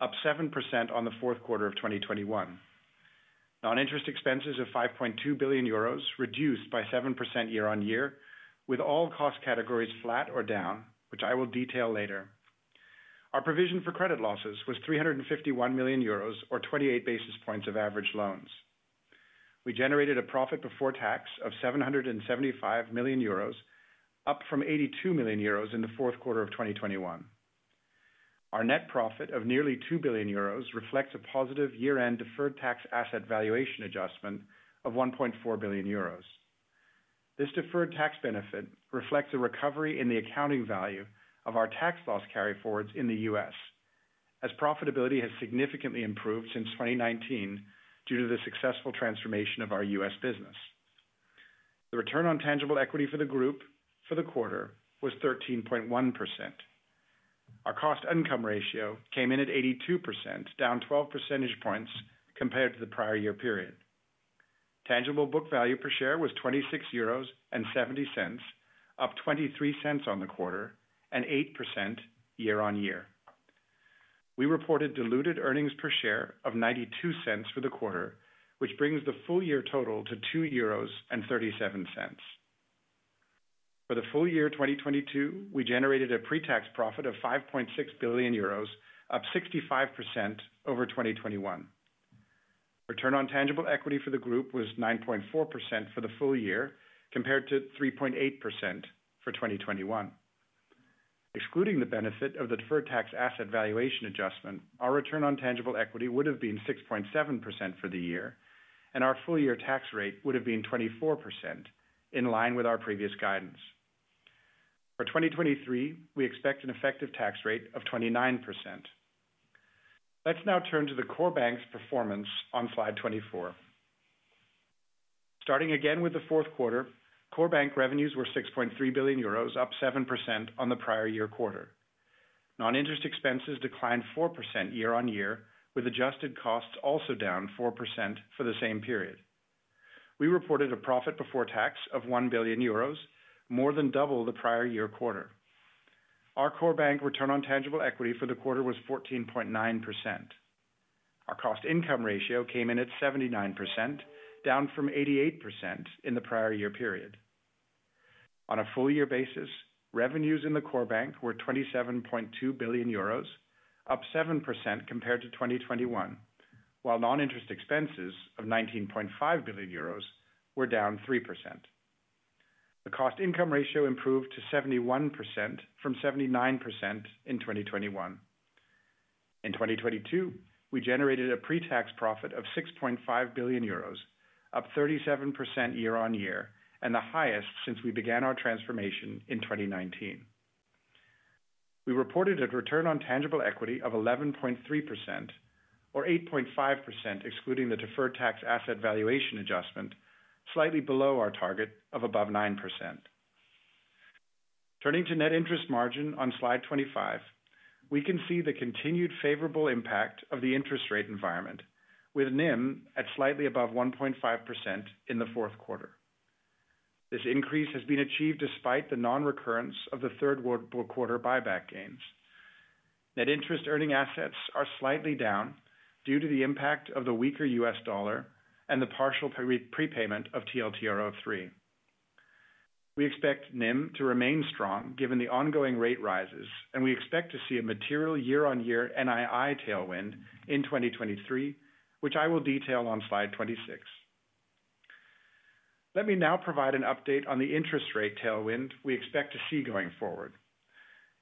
[SPEAKER 4] up 7% on the fourth quarter of 2021. Non-interest expenses of 5.2 billion euros reduced by 7% year on year with all cost categories flat or down, which I will detail later. Our provision for credit losses was 351 million euros or 28 basis points of average loans. We generated a profit before tax of 775 million euros, up from 82 million euros in the fourth quarter of 2021. Our net profit of nearly 2 billion euros reflects a positive year-end deferred tax asset valuation adjustment of 1.4 billion euros. This deferred tax benefit reflects a recovery in the accounting value of our tax loss carryforwards in the U.S., as profitability has significantly improved since 2019 due to the successful transformation of our U.S. business. The return on tangible equity for the group for the quarter was 13.1%. Our cost-income ratio came in at 82%, down 12 percentage points compared to the prior year period. Tangible book value per share was 26.70 euros, up 0.23 on the quarter and 8% year-on-year. We reported diluted earnings per share of 0.92 for the quarter, which brings the full year total to 2.37 euros. For the full year 2022, we generated a pre-tax profit of 5.6 billion euros, up 65% over 2021. Return on tangible equity for the group was 9.4% for the full year, compared to 3.8% for 2021. Excluding the benefit of the deferred tax asset valuation adjustment, our return on tangible equity would have been 6.7% for the year, and our full year tax rate would have been 24%, in line with our previous guidance. For 2023, we expect an effective tax rate of 29%. Let's now turn to the core bank's performance on slide 24. Starting again with the fourth quarter, core bank revenues were 6.3 billion euros, up 7% on the prior year quarter. Non-interest expenses declined 4% year-on-year, with adjusted costs also down 4% for the same period. We reported a profit before tax of 1 billion euros, more than double the prior year quarter. Our core bank return on tangible equity for the quarter was 14.9%. Our cost income ratio came in at 79%, down from 88% in the prior year period. On a full year basis, revenues in the core bank were 27.2 billion euros, up 7% compared to 2021, while non-interest expenses of 19.5 billion euros were down 3%. The cost income ratio improved to 71% from 79% in 2021. In 2022, we generated a pre-tax profit of 6.5 billion euros, up 37% year-over-year, and the highest since we began our transformation in 2019. We reported a return on tangible equity of 11.3%, or 8.5% excluding the deferred tax asset valuation adjustment, slightly below our target of above 9%. Turning to net interest margin on slide 25, we can see the continued favorable impact of the interest rate environment with NIM at slightly above 1.5% in the fourth quarter. This increase has been achieved despite the non-recurrence of the third quarter buyback gains. Net interest earning assets are slightly down due to the impact of the weaker U.S. dollar and the partial prepayment of TLTRO III. We expect NIM to remain strong given the ongoing rate rises, and we expect to see a material year-on-year NII tailwind in 2023, which I will detail on slide 26. Let me now provide an update on the interest rate tailwind we expect to see going forward.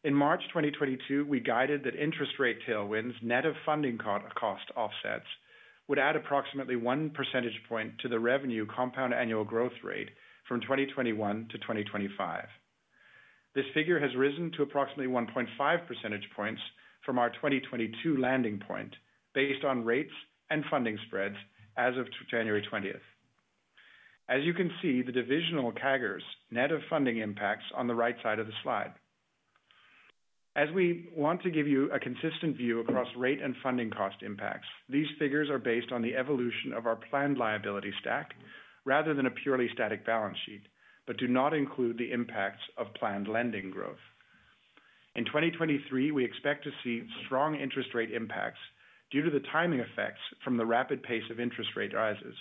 [SPEAKER 4] In March 2022, we guided that interest rate tailwinds net of funding co-cost offsets would add approximately 1 percentage point to the revenue compound annual growth rate from 2021 to 2025. This figure has risen to approximately 1.5 percentage points from our 2022 landing point based on rates and funding spreads as of January 20th. As you can see, the divisional CAGRs net of funding impacts on the right side of the slide. As we want to give you a consistent view across rate and funding cost impacts, these figures are based on the evolution of our planned liability stack rather than a purely static balance sheet, but do not include the impacts of planned lending growth. In 2023, we expect to see strong interest rate impacts due to the timing effects from the rapid pace of interest rate rises.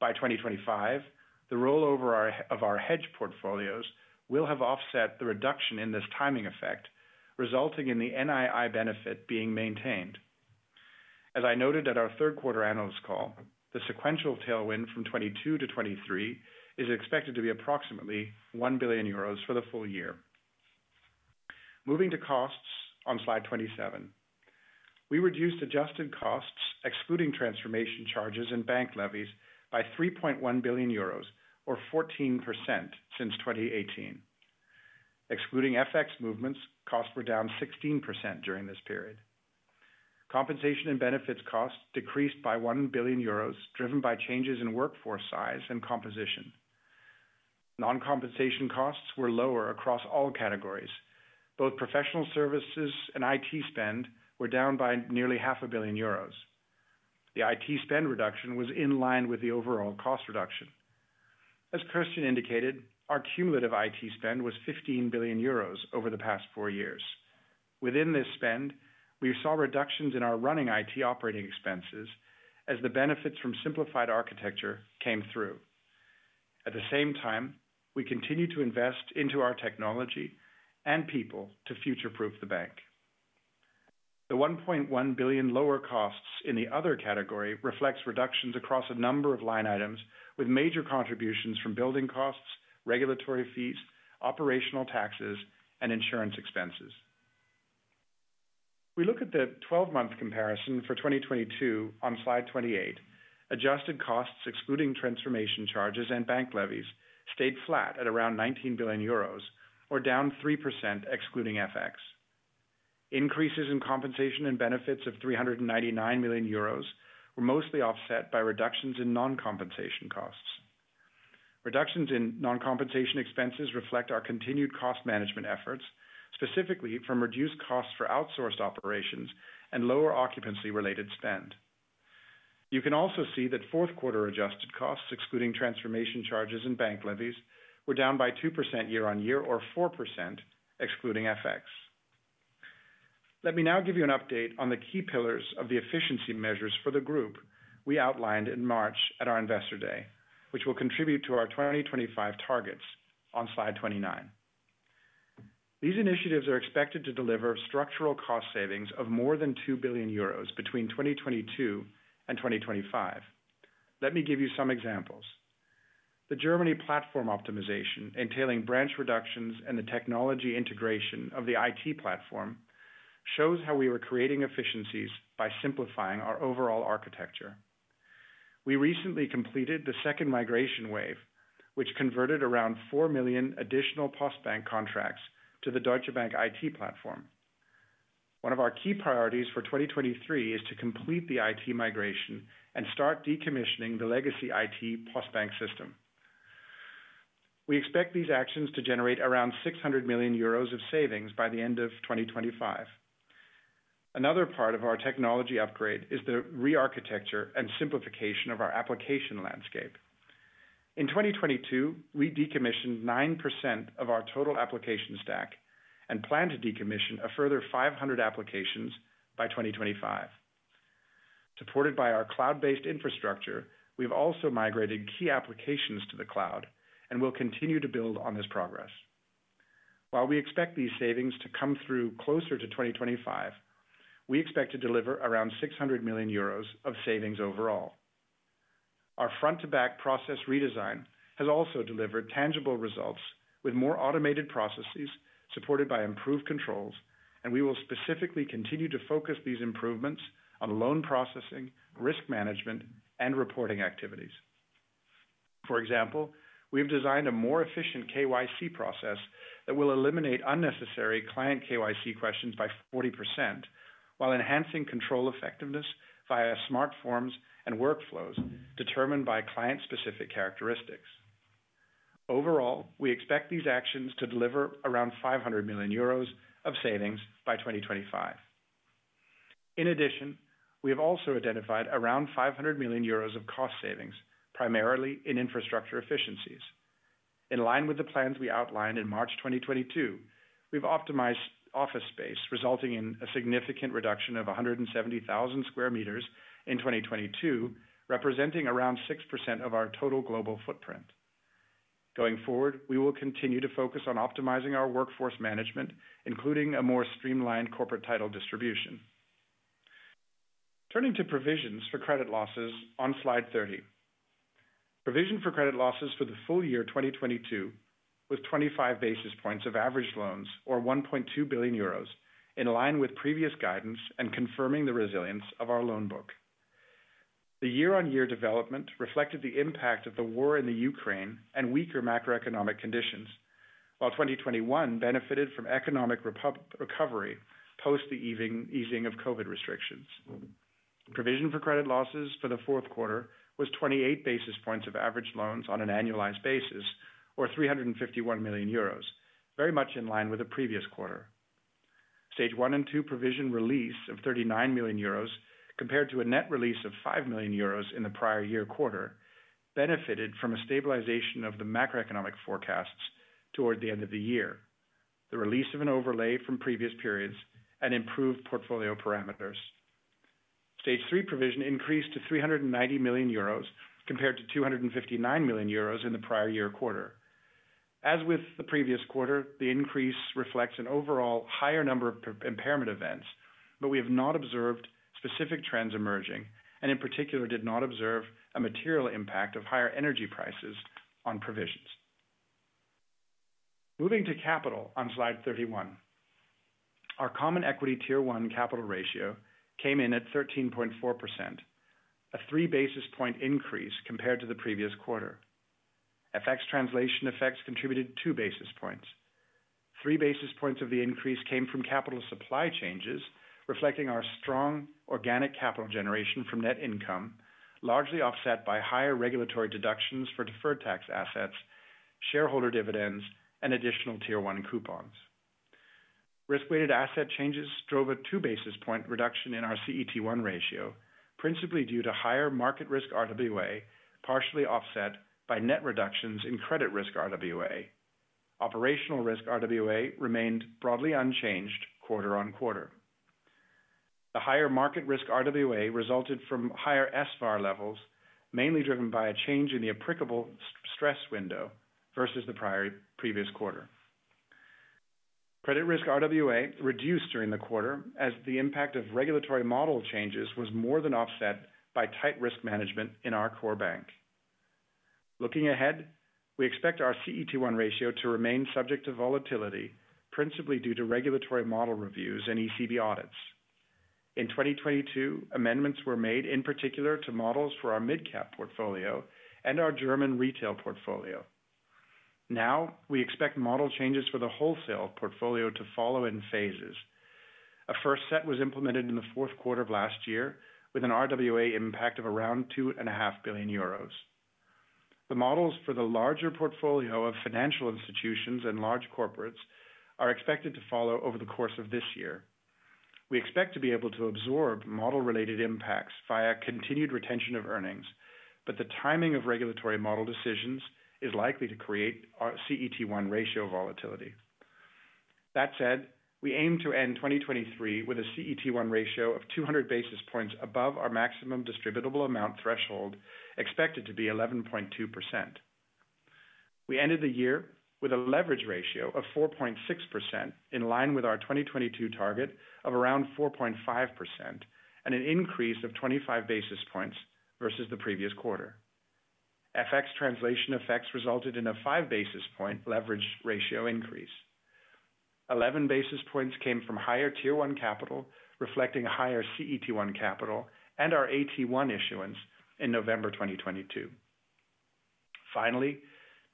[SPEAKER 4] By 2025, the rollover of our hedge portfolios will have offset the reduction in this timing effect, resulting in the NII benefit being maintained. As I noted at our third quarter analyst call, the sequential tailwind from 2022 to 2023 is expected to be approximately 1 billion euros for the full year. Moving to costs on slide 27. We reduced adjusted costs, excluding transformation charges and bank levies, by 3.1 billion euros or 14% since 2018. Excluding FX movements, costs were down 16% during this period. Compensation and benefits costs decreased by 1 billion euros, driven by changes in workforce size and composition. Non-compensation costs were lower across all categories. Both professional services and IT spend were down by nearly half a billion euros. The IT spend reduction was in line with the overall cost reduction. As Christian indicated, our cumulative IT spend was 15 billion euros over the past four years. Within this spend, we saw reductions in our running IT operating expenses as the benefits from simplified architecture came through. At the same time, we continue to invest into our technology and people to future-proof the bank. The 1.1 billion lower costs in the other category reflects reductions across a number of line items with major contributions from building costs, regulatory fees, operational taxes, and insurance expenses. We look at the 12-month comparison for 2022 on slide 28. Adjusted costs excluding transformation charges and bank levies stayed flat at around 19 billion euros or down 3% excluding FX. Increases in compensation and benefits of 399 million euros were mostly offset by reductions in non-compensation costs. Reductions in non-compensation expenses reflect our continued cost management efforts, specifically from reduced costs for outsourced operations and lower occupancy related spend. You can also see that fourth quarter adjusted costs excluding transformation charges and bank levies were down by 2% year-over-year or 4% excluding FX. Let me now give you an update on the key pillars of the efficiency measures for the group we outlined in March at our Investor Day, which will contribute to our 2025 targets on slide 29. These initiatives are expected to deliver structural cost savings of more than 2 billion euros between 2022 and 2025. Let me give you some examples. The Germany platform optimization, entailing branch reductions and the technology integration of the IT platform, shows how we are creating efficiencies by simplifying our overall architecture. We recently completed the second migration wave, which converted around 4 million additional Postbank contracts to the Deutsche Bank IT platform. One of our key priorities for 2023 is to complete the IT migration and start decommissioning the legacy IT Postbank system. We expect these actions to generate around 600 million euros of savings by the end of 2025. Another part of our technology upgrade is the re-architecture and simplification of our application landscape. In 2022, we decommissioned 9% of our total application stack and plan to decommission a further 500 applications by 2025. Supported by our cloud-based infrastructure, we've also migrated key applications to the cloud and will continue to build on this progress. While we expect these savings to come through closer to 2025, we expect to deliver around 600 million euros of savings overall. Our front-to-back process redesign has also delivered tangible results with more automated processes supported by improved controls. We will specifically continue to focus these improvements on loan processing, risk management, and reporting activities. For example, we have designed a more efficient KYC process that will eliminate unnecessary client KYC questions by 40% while enhancing control effectiveness via smart forms and workflows determined by client-specific characteristics. Overall, we expect these actions to deliver around 500 million euros of savings by 2025. We have also identified around 500 million euros of cost savings, primarily in infrastructure efficiencies. In line with the plans we outlined in March 2022, we've optimized office space, resulting in a significant reduction of 170,000 square meters in 2022, representing around 6% of our total global footprint. Going forward, we will continue to focus on optimizing our workforce management, including a more streamlined corporate title distribution. Turning to provisions for credit losses on slide 30. Provision for credit losses for the full year 2022 was 25 basis points of average loans or 1.2 billion euros in line with previous guidance and confirming the resilience of our loan book. The year-on-year development reflected the impact of the war in the Ukraine and weaker macroeconomic conditions, while 2021 benefited from economic recovery post the easing of COVID restrictions. Provision for credit losses for the fourth quarter was 28 basis points of average loans on an annualized basis or 351 million euros, very much in line with the previous quarter. stage one and two provision release of 39 million euros compared to a net release of 5 million euros in the prior year quarter benefited from a stabilization of the macroeconomic forecasts toward the end of the year, the release of an overlay from previous periods and improved portfolio parameters. stage three provision increased to 390 million euros compared to 259 million euros in the prior year quarter. As with the previous quarter, the increase reflects an overall higher number of impairment events, but we have not observed specific trends emerging, and in particular, did not observe a material impact of higher energy prices on provisions. Moving to capital on slide 31. Our Common Equity Tier 1 capital ratio came in at 13.4%, a 3 basis point increase compared to the previous quarter. FX translation effects contributed 2 basis points. 3 basis points of the increase came from capital supply changes, reflecting our strong organic capital generation from net income, largely offset by higher regulatory deductions for deferred tax assets, shareholder dividends, and additional AT1 coupons. Risk-weighted asset changes drove a 2 basis point reduction in our CET1 ratio, principally due to higher market risk RWA, partially offset by net reductions in credit risk RWA. Operational risk RWA remained broadly unchanged quarter on quarter. The higher market risk RWA resulted from higher SVAR levels, mainly driven by a change in the applicable stress window versus the previous quarter. Credit risk RWA reduced during the quarter as the impact of regulatory model changes was more than offset by tight risk management in our core bank. Looking ahead, we expect our CET1 ratio to remain subject to volatility, principally due to regulatory model reviews and ECB audits. In 2022, amendments were made, in particular to models for our midcap portfolio and our German retail portfolio. We expect model changes for the wholesale portfolio to follow in phases. A first set was implemented in the fourth quarter of last year with an RWA impact of around 2.5 billion euros. The models for the larger portfolio of financial institutions and large corporates are expected to follow over the course of this year. We expect to be able to absorb model-related impacts via continued retention of earnings, but the timing of regulatory model decisions is likely to create our CET1 ratio volatility. That said, we aim to end 2023 with a CET1 ratio of 200 basis points above our maximum distributable amount threshold, expected to be 11.2%. We ended the year with a leverage ratio of 4.6% in line with our 2022 target of around 4.5% and an increase of 25 basis points versus the previous quarter. FX translation effects resulted in a 5 basis point leverage ratio increase. 11 basis points came from higher Tier 1 capital, reflecting higher CET1 capital and our AT1 issuance in November 2022. Finally,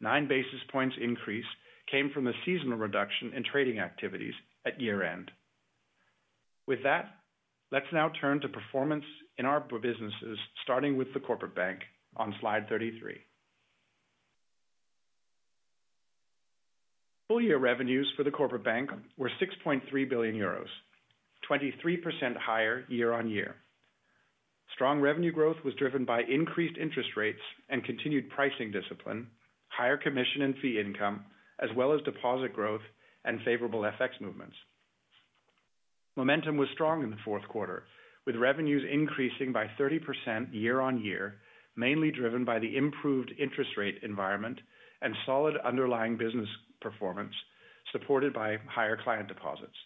[SPEAKER 4] 9 basis points increase came from a seasonal reduction in trading activities at year-end. With that, let's now turn to performance in our businesses, starting with the Corporate Bank on slide 33. Full year revenues for the Corporate Bank were 6.3 billion euros, 23% higher year-on-year. Strong revenue growth was driven by increased interest rates and continued pricing discipline, higher commission and fee income, as well as deposit growth and favorable FX movements. Momentum was strong in the fourth quarter, with revenues increasing by 30% year-on-year, mainly driven by the improved interest rate environment and solid underlying business performance supported by higher client deposits.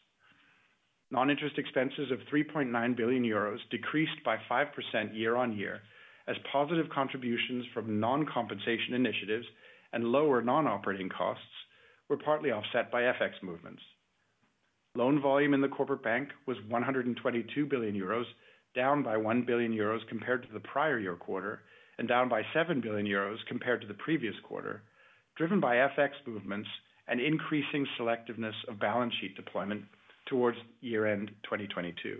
[SPEAKER 4] Non-interest expenses of 3.9 billion euros decreased by 5% year-on-year as positive contributions from non-compensation initiatives and lower non-operating costs were partly offset by FX movements. Loan volume in the Corporate Bank was 122 billion euros, down by 1 billion euros compared to the prior year quarter, and down by 7 billion euros compared to the previous quarter, driven by FX movements and increasing selectiveness of balance sheet deployment towards year-end 2022.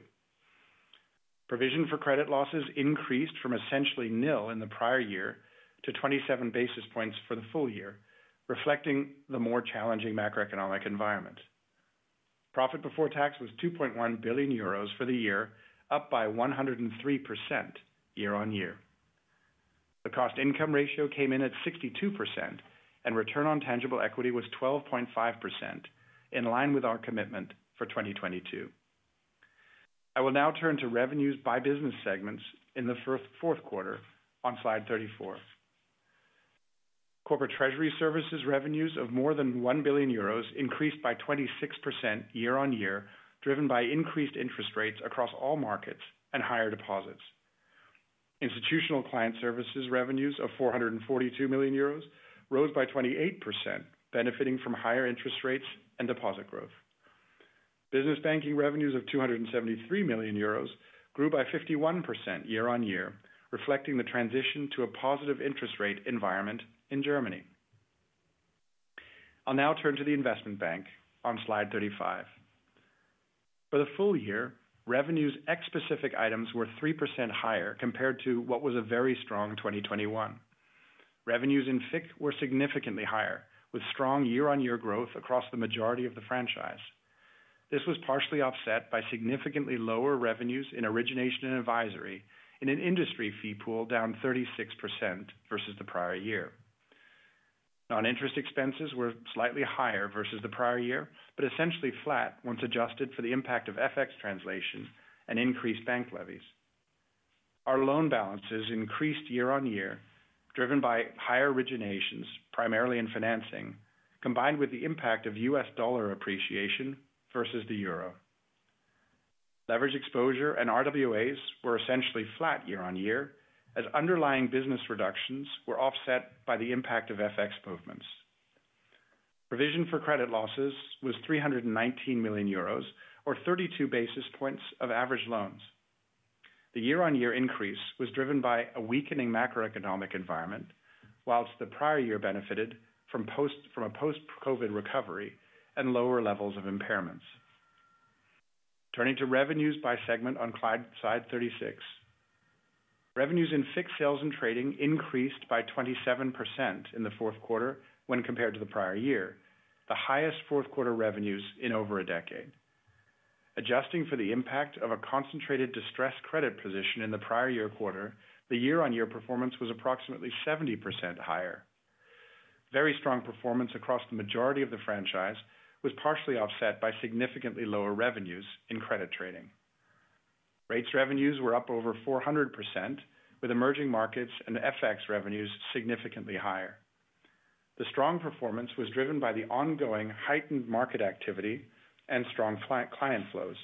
[SPEAKER 4] Provision for credit losses increased from essentially nil in the prior year to 27 basis points for the full year, reflecting the more challenging macroeconomic environment. Profit before tax was 2.1 billion euros for the year, up by 103% year-over-year. The cost income ratio came in at 62%, and return on tangible equity was 12.5% in line with our commitment for 2022. I will now turn to revenues by business segments in the fourth quarter on slide 34. Corporate Treasury Services revenues of more than 1 billion euros increased by 26% year-over-year, driven by increased interest rates across all markets and higher deposits. Institutional Client Services revenues of 442 million euros rose by 28%, benefiting from higher interest rates and deposit growth. Business Banking revenues of 273 million euros grew by 51% year-over-year, reflecting the transition to a positive interest rate environment in Germany. I'll now turn to the Investment Bank on slide 35. For the full year, revenues ex specific items were 3% higher compared to what was a very strong 2021. Revenues in FICC were significantly higher, with strong year-over-year growth across the majority of the franchise. This was partially offset by significantly lower revenues in Origination & Advisory in an industry fee pool down 36% versus the prior year. Non-interest expenses were slightly higher versus the prior year, but essentially flat once adjusted for the impact of FX translation and increased bank levies. Our loan balances increased year-over-year, driven by higher originations, primarily in financing, combined with the impact of U.S. dollar appreciation versus the Euro. Leverage exposure and RWAs were essentially flat year-over-year as underlying business reductions were offset by the impact of FX movements. Provision for credit losses was 319 million euros or 32 basis points of average loans. The year-on-year increase was driven by a weakening macroeconomic environment, whilst the prior year benefited from a post-COVID recovery and lower levels of impairments. Turning to revenues by segment on slide 36. Revenues in FICC sales and trading increased by 27% in the fourth quarter when compared to the prior year, the highest fourth quarter revenues in over a decade. Adjusting for the impact of a concentrated distressed credit position in the prior year quarter, the year-on-year performance was approximately 70% higher. Very strong performance across the majority of the franchise was partially offset by significantly lower revenues in credit trading. Rates revenues were up over 400%, with emerging markets and FX revenues significantly higher. The strong performance was driven by the ongoing heightened market activity and strong client flows.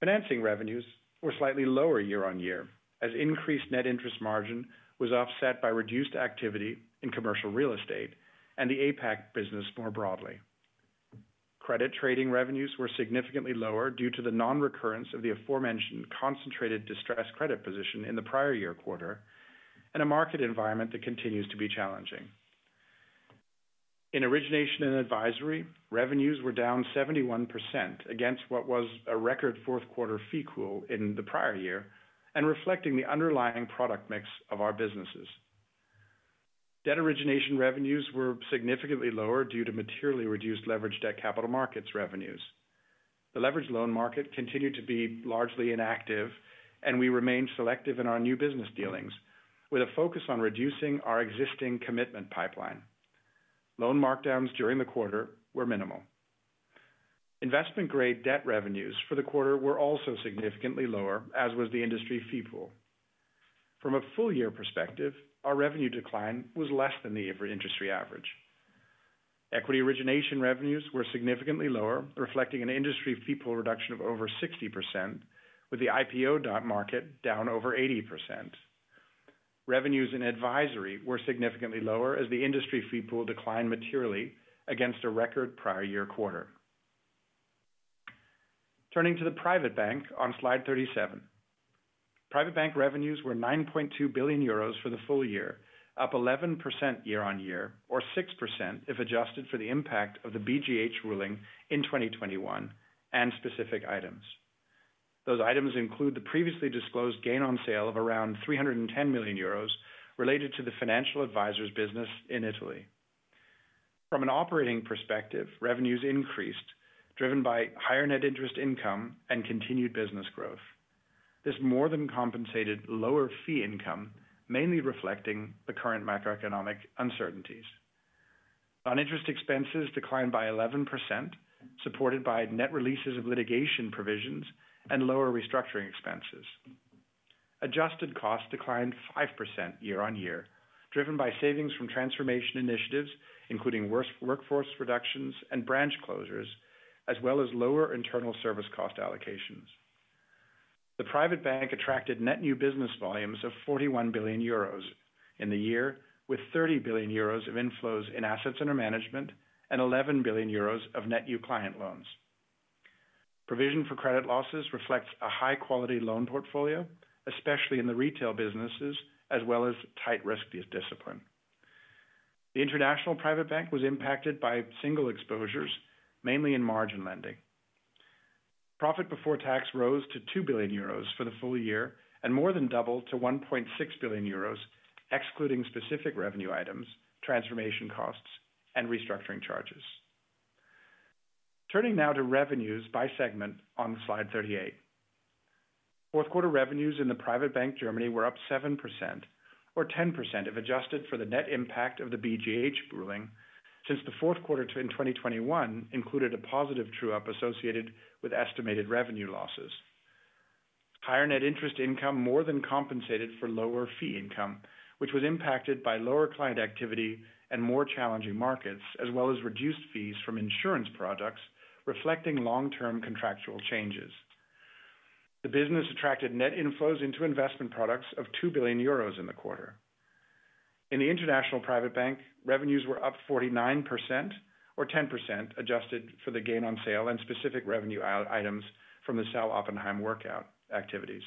[SPEAKER 4] Financing revenues were slightly lower year-on-year, as increased net interest margin was offset by reduced activity in commercial real estate and the APAC business more broadly. Credit trading revenues were significantly lower due to the non-recurrence of the aforementioned concentrated distressed credit position in the prior year quarter, and a market environment that continues to be challenging. In Origination & Advisory, revenues were down 71% against what was a record fourth quarter fee pool in the prior year, and reflecting the underlying product mix of our businesses. Debt origination revenues were significantly lower due to materially reduced leveraged debt capital markets revenues. The leveraged loan market continued to be largely inactive. We remain selective in our new business dealings, with a focus on reducing our existing commitment pipeline. Loan markdowns during the quarter were minimal. Investment grade debt revenues for the quarter were also significantly lower, as was the industry fee pool. From a full year perspective, our revenue decline was less than the industry average. Equity origination revenues were significantly lower, reflecting an industry fee pool reduction of over 60%, with the IPO market down over 80%. Revenues and advisory were significantly lower as the industry fee pool declined materially against a record prior year quarter. Turning to the Private Bank on slide 37. Private Bank revenues were 9.2 billion euros for the full year, up 11% year-on-year, or 6% if adjusted for the impact of the BGH ruling in 2021 and specific items. Those items include the previously disclosed gain on sale of around 310 million euros related to the financial advisors business in Italy. From an operating perspective, revenues increased, driven by higher net interest income and continued business growth. This more than compensated lower fee income, mainly reflecting the current macroeconomic uncertainties. Non-interest expenses declined by 11%, supported by net releases of litigation provisions and lower restructuring expenses. Adjusted costs declined 5% year-on-year, driven by savings from transformation initiatives, including workforce reductions and branch closures, as well as lower internal service cost allocations. The Private Bank attracted net new business volumes of 41 billion euros in the year, with 30 billion euros of inflows in assets under management, and 11 billion euros of net new client loans. Provision for credit losses reflects a high quality loan portfolio, especially in the retail businesses, as well as tight risk discipline. The International Private Bank was impacted by single exposures, mainly in margin lending. Profit before tax rose to 2 billion euros for the full year and more than doubled to 1.6 billion euros, excluding specific revenue items, transformation costs, and restructuring charges. Turning now to revenues by segment on slide 38. Fourth quarter revenues in the Private Bank Germany were up 7% or 10% if adjusted for the net impact of the BGH ruling since the fourth quarter in 2021 included a positive true up associated with estimated revenue losses. Higher net interest income more than compensated for lower fee income, which was impacted by lower client activity and more challenging markets, as well as reduced fees from insurance products reflecting long-term contractual changes. The business attracted net inflows into investment products of 2 billion euros in the quarter. In the International Private Bank, revenues were up 49% or 10% adjusted for the gain on sale and specific revenue out-items from the Sal. Oppenheim workout activities.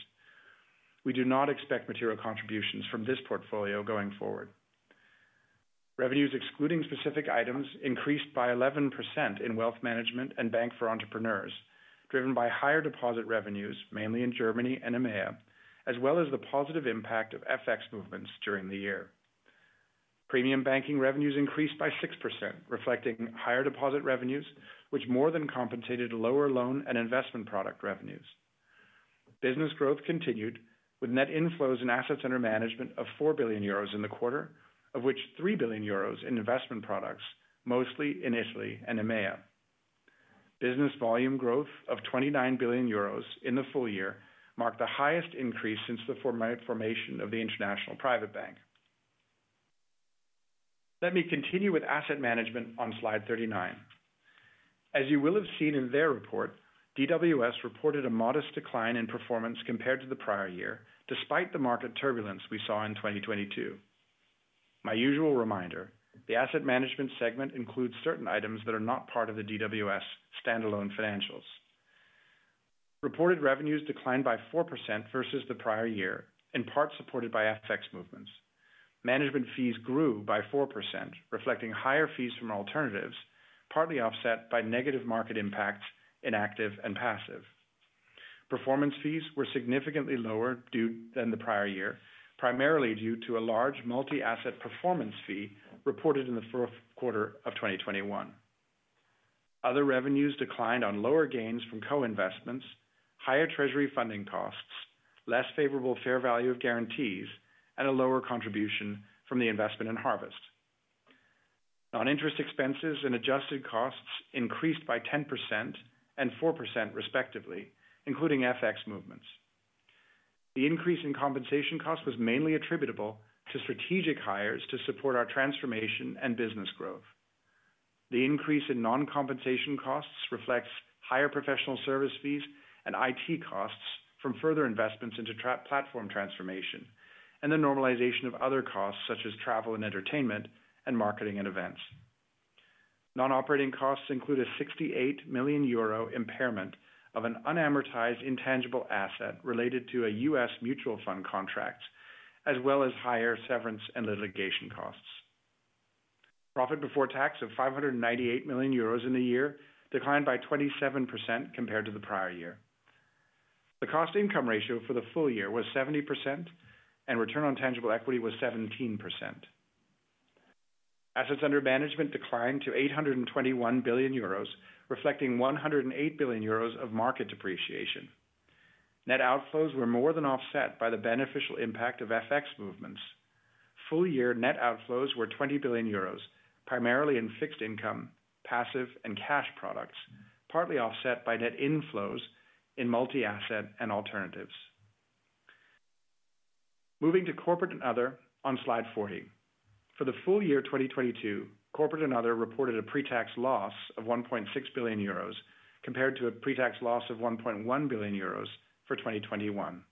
[SPEAKER 4] We do not expect material contributions from this portfolio going forward. Revenues excluding specific items increased by 11% in Wealth Management and Bank for Entrepreneurs, driven by higher deposit revenues, mainly in Germany and EMEA, as well as the positive impact of FX movements during the year. Premium Banking revenues increased by 6%, reflecting higher deposit revenues, which more than compensated lower loan and investment product revenues. Business growth continued with net inflows and assets under management of 4 billion euros in the quarter, of which 3 billion euros in investment products, mostly in Italy and EMEA. Business volume growth of 29 billion euros in the full year marked the highest increase since the formation of the International Private Bank. Let me continue with Asset Management on slide 39. As you will have seen in their report, DWS reported a modest decline in performance compared to the prior year, despite the market turbulence we saw in 2022. My usual reminder, the Asset Management segment includes certain items that are not part of the DWS standalone financials. Reported revenues declined by 4% versus the prior year, in part supported by FX movements. Management fees grew by 4%, reflecting higher fees from alternatives, partly offset by negative market impacts in active and passive. Performance fees were significantly lower due than the prior year, primarily due to a large multi-asset performance fee reported in the fourth quarter of 2021. Other revenues declined on lower gains from co-investments, higher treasury funding costs, less favorable fair value of guarantees, and a lower contribution from the investment in Harvest. Non-interest expenses and adjusted costs increased by 10% and 4% respectively, including FX movements. The increase in compensation cost was mainly attributable to strategic hires to support our transformation and business growth. The increase in non-compensation costs reflects higher professional service fees and IT costs from further investments into platform transformation, and the normalization of other costs such as travel and entertainment and marketing and events. Non-operating costs include a 68 million euro impairment of an unamortized intangible asset related to a U.S. mutual fund contract, as well as higher severance and litigation costs. Profit before tax of 598 million euros in the year declined by 27% compared to the prior year. The cost income ratio for the full year was 70%, and return on tangible equity was 17%. Assets under management declined to 821 billion euros, reflecting 108 billion euros of market depreciation. Net outflows were more than offset by the beneficial impact of FX movements. Full year net outflows were 20 billion euros, primarily in fixed income, passive and cash products, partly offset by net inflows in multi-asset and alternatives. Moving to Corporate and Other on slide 40. For the full year 2022,Corporate and Other reported a pre-tax loss of 1.6 billion euros compared to a pre-tax loss of 1.1 billion euros for 2021.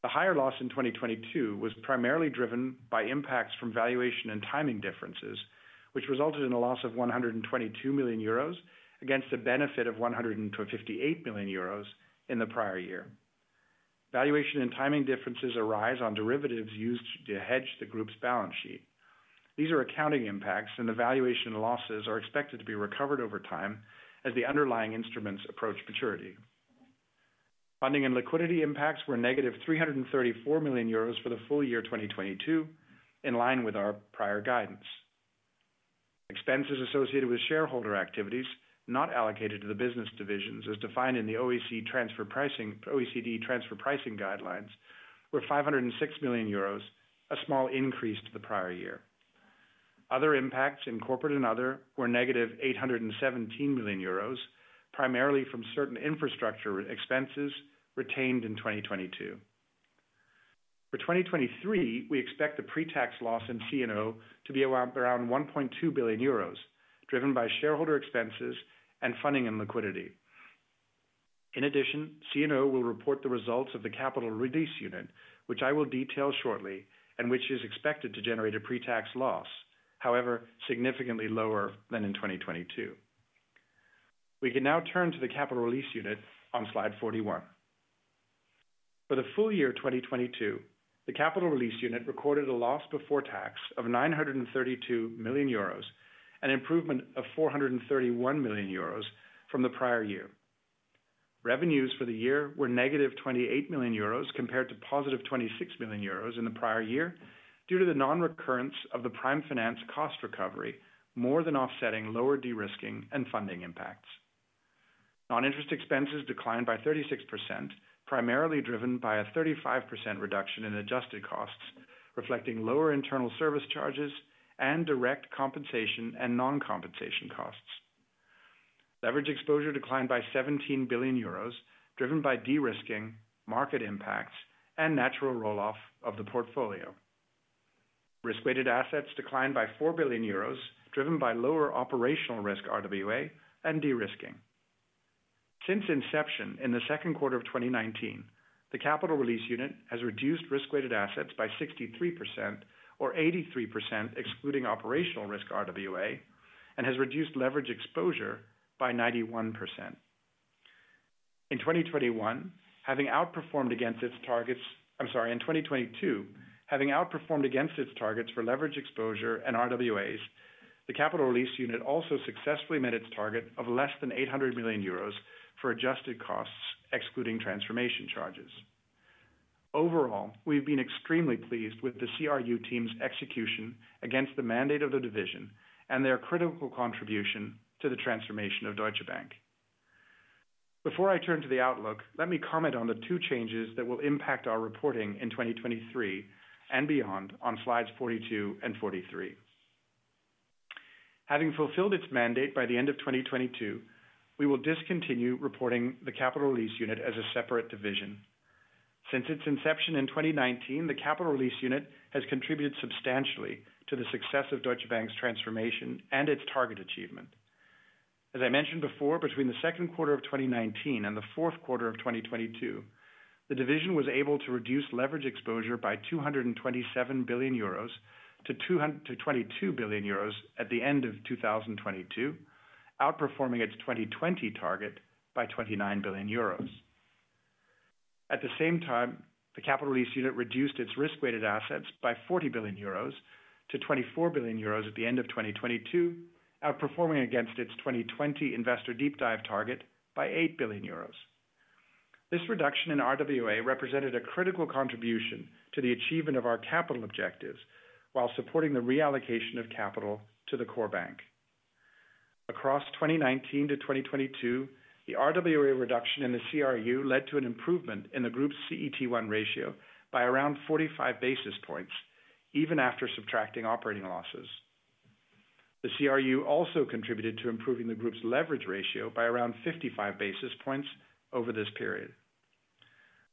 [SPEAKER 4] The higher loss in 2022 was primarily driven by impacts from valuation and timing differences, which resulted in a loss of 122 million euros against the benefit of 158 million euros in the prior year. Valuation and timing differences arise on derivatives used to hedge the group's balance sheet. These are accounting impacts, and the valuation losses are expected to be recovered over time as the underlying instruments approach maturity. Funding and liquidity impacts were negative 334 million euros for the full year 2022, in line with our prior guidance. Expenses associated with shareholder activities not allocated to the business divisions as defined in the OECD Transfer Pricing Guidelines were 506 million euros, a small increase to the prior year. Other impacts in Corporate and Other were negative 817 million euros, primarily from certain infrastructure expenses retained in 2022. For 2023, we expect the pre-tax loss in CNO to be around 1.2 billion euros driven by shareholder expenses and funding and liquidity. In addition, CNO will report the results of the Capital Release Unit, which I will detail shortly and which is expected to generate a pre-tax loss, however, significantly lower than in 2022. We can now turn to the Capital Release Unit on slide 41. For the full year 2022, the Capital Release Unit recorded a loss before tax of 932 million euros, an improvement of 431 million euros from the prior year. Revenues for the year were negative 28 million euros compared to positive 26 million euros in the prior year due to the non-recurrence of the Prime Finance cost recovery, more than offsetting lower de-risking and funding impacts. Non-interest expenses declined by 36%, primarily driven by a 35% reduction in adjusted costs, reflecting lower internal service charges and direct compensation and non-compensation costs. Leverage exposure declined by 17 billion euros driven by de-risking, market impacts, and natural roll-off of the portfolio. Risk-weighted assets declined by 4 billion euros driven by lower operational risk RWA and de-risking. Since inception in the second quarter of 2019, the Capital Release Unit has reduced risk-weighted assets by 63% or 83% excluding operational risk RWA, and has reduced leverage exposure by 91%. In 2021, having outperformed against its targets, I'm sorry. In 2022, having outperformed against its targets for leverage exposure and RWA, the Capital Release Unit also successfully met its target of less than 800 million euros for adjusted costs excluding transformation charges. Overall, we've been extremely pleased with the CRU team's execution against the mandate of the division and their critical contribution to the transformation of Deutsche Bank. Before I turn to the outlook, let me comment on the two changes that will impact our reporting in 2023 and beyond on slides 42 and 43. Having fulfilled its mandate by the end of 2022, we will discontinue reporting the Capital Release Unit as a separate division. Since its inception in 2019, the Capital Release Unit has contributed substantially to the success of Deutsche Bank's transformation and its target achievement. As I mentioned before, between the second quarter of 2019 and the fourth quarter of 2022, the division was able to reduce leverage exposure by 227 billion euros to 22 billion euros at the end of 2022, outperforming its 2020 target by 29 billion euros. At the same time, the Capital Release Unit reduced its risk-weighted assets by 40 billion euros to 24 billion euros at the end of 2022, outperforming against its 2020 Investor Day target by 8 billion euros. This reduction in RWA represented a critical contribution to the achievement of our capital objectives while supporting the reallocation of capital to the core bank. Across 2019 to 2022, the RWA reduction in the CRU led to an improvement in the group's CET1 ratio by around 45 basis points even after subtracting operating losses. The CRU also contributed to improving the group's leverage ratio by around 55 basis points over this period.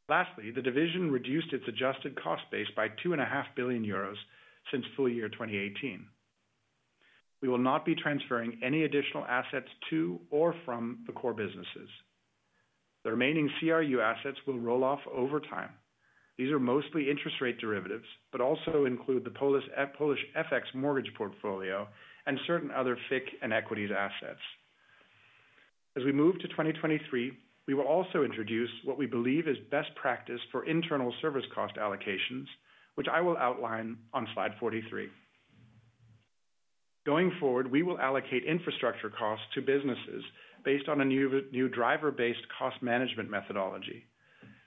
[SPEAKER 4] The division reduced its adjusted cost base by 2.5 billion euros since full year 2018. We will not be transferring any additional assets to or from the core businesses. The remaining CRU assets will roll off over time. These are mostly interest rate derivatives, but also include the Polish FX mortgage portfolio and certain other FICC and equities assets. As we move to 2023, we will also introduce what we believe is best practice for internal service cost allocations, which I will outline on slide 43. Going forward, we will allocate infrastructure costs to businesses based on a new driver-based cost management methodology.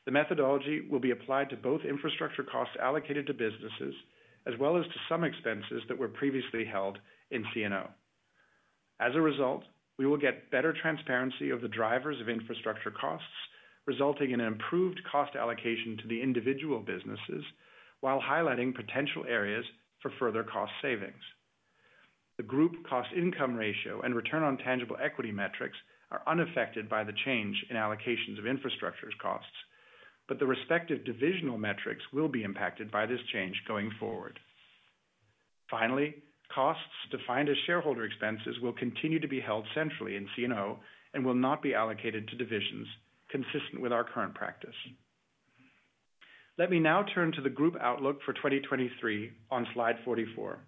[SPEAKER 4] The methodology will be applied to both infrastructure costs allocated to businesses, as well as to some expenses that were previously held in CNO. As a result, we will get better transparency of the drivers of infrastructure costs, resulting in improved cost allocation to the individual businesses while highlighting potential areas for further cost savings. The group cost income ratio and return on tangible equity metrics are unaffected by the change in allocations of infrastructure's costs, but the respective divisional metrics will be impacted by this change going forward. Finally, costs defined as shareholder expenses will continue to be held centrally in CNO and will not be allocated to divisions consistent with our current practice. Let me now turn to the group outlook for 2023 on slide 44.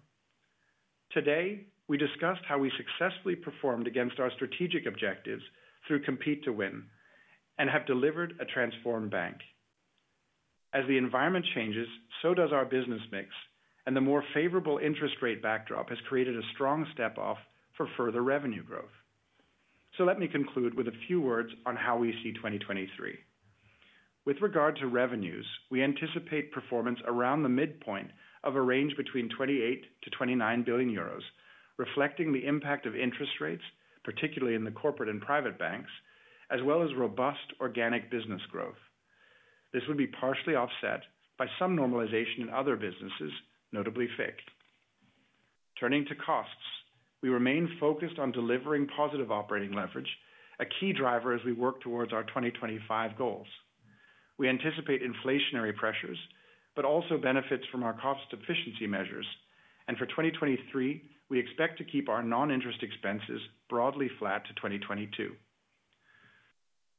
[SPEAKER 4] Today, we discussed how we successfully performed against our strategic objectives through Compete to Win and have delivered a transformed bank. As the environment changes, so does our business mix, and the more favorable interest rate backdrop has created a strong step-off for further revenue growth. Let me conclude with a few words on how we see 2023. With regard to revenues, we anticipate performance around the midpoint of a range between 28 billion-29 billion euros, reflecting the impact of interest rates, particularly in the Corporate Bank and Private Bank, as well as robust organic business growth. This would be partially offset by some normalization in other businesses, notably FICC. Turning to costs, we remain focused on delivering positive operating leverage, a key driver as we work towards our 2025 goals. We anticipate inflationary pressures, but also benefits from our cost efficiency measures. For 2023, we expect to keep our non-interest expenses broadly flat to 2022.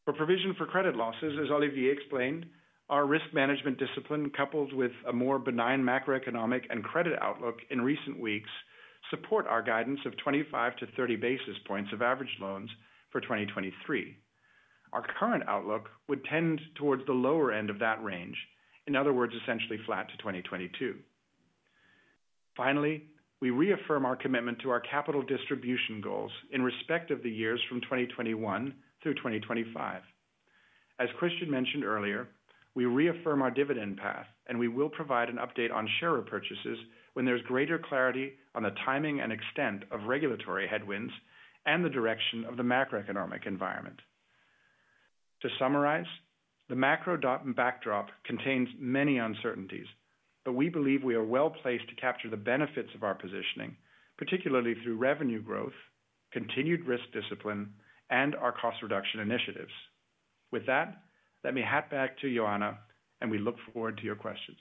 [SPEAKER 4] For provision for credit losses, as Olivier explained, our risk management discipline, coupled with a more benign macroeconomic and credit outlook in recent weeks, support our guidance of 25-30 basis points of average loans for 2023. Our current outlook would tend towards the lower end of that range. In other words, essentially flat to 2022. We reaffirm our commitment to our capital distribution goals in respect of the years from 2021 through 2025. As Christian mentioned earlier, we reaffirm our dividend path, and we will provide an update on share repurchases when there's greater clarity on the timing and extent of regulatory headwinds and the direction of the macroeconomic environment. To summarize, the macro dot and backdrop contains many uncertainties, but we believe we are well-placed to capture the benefits of our positioning, particularly through revenue growth, continued risk discipline, and our cost reduction initiatives. With that, let me hand back to Joanna, and we look forward to your questions.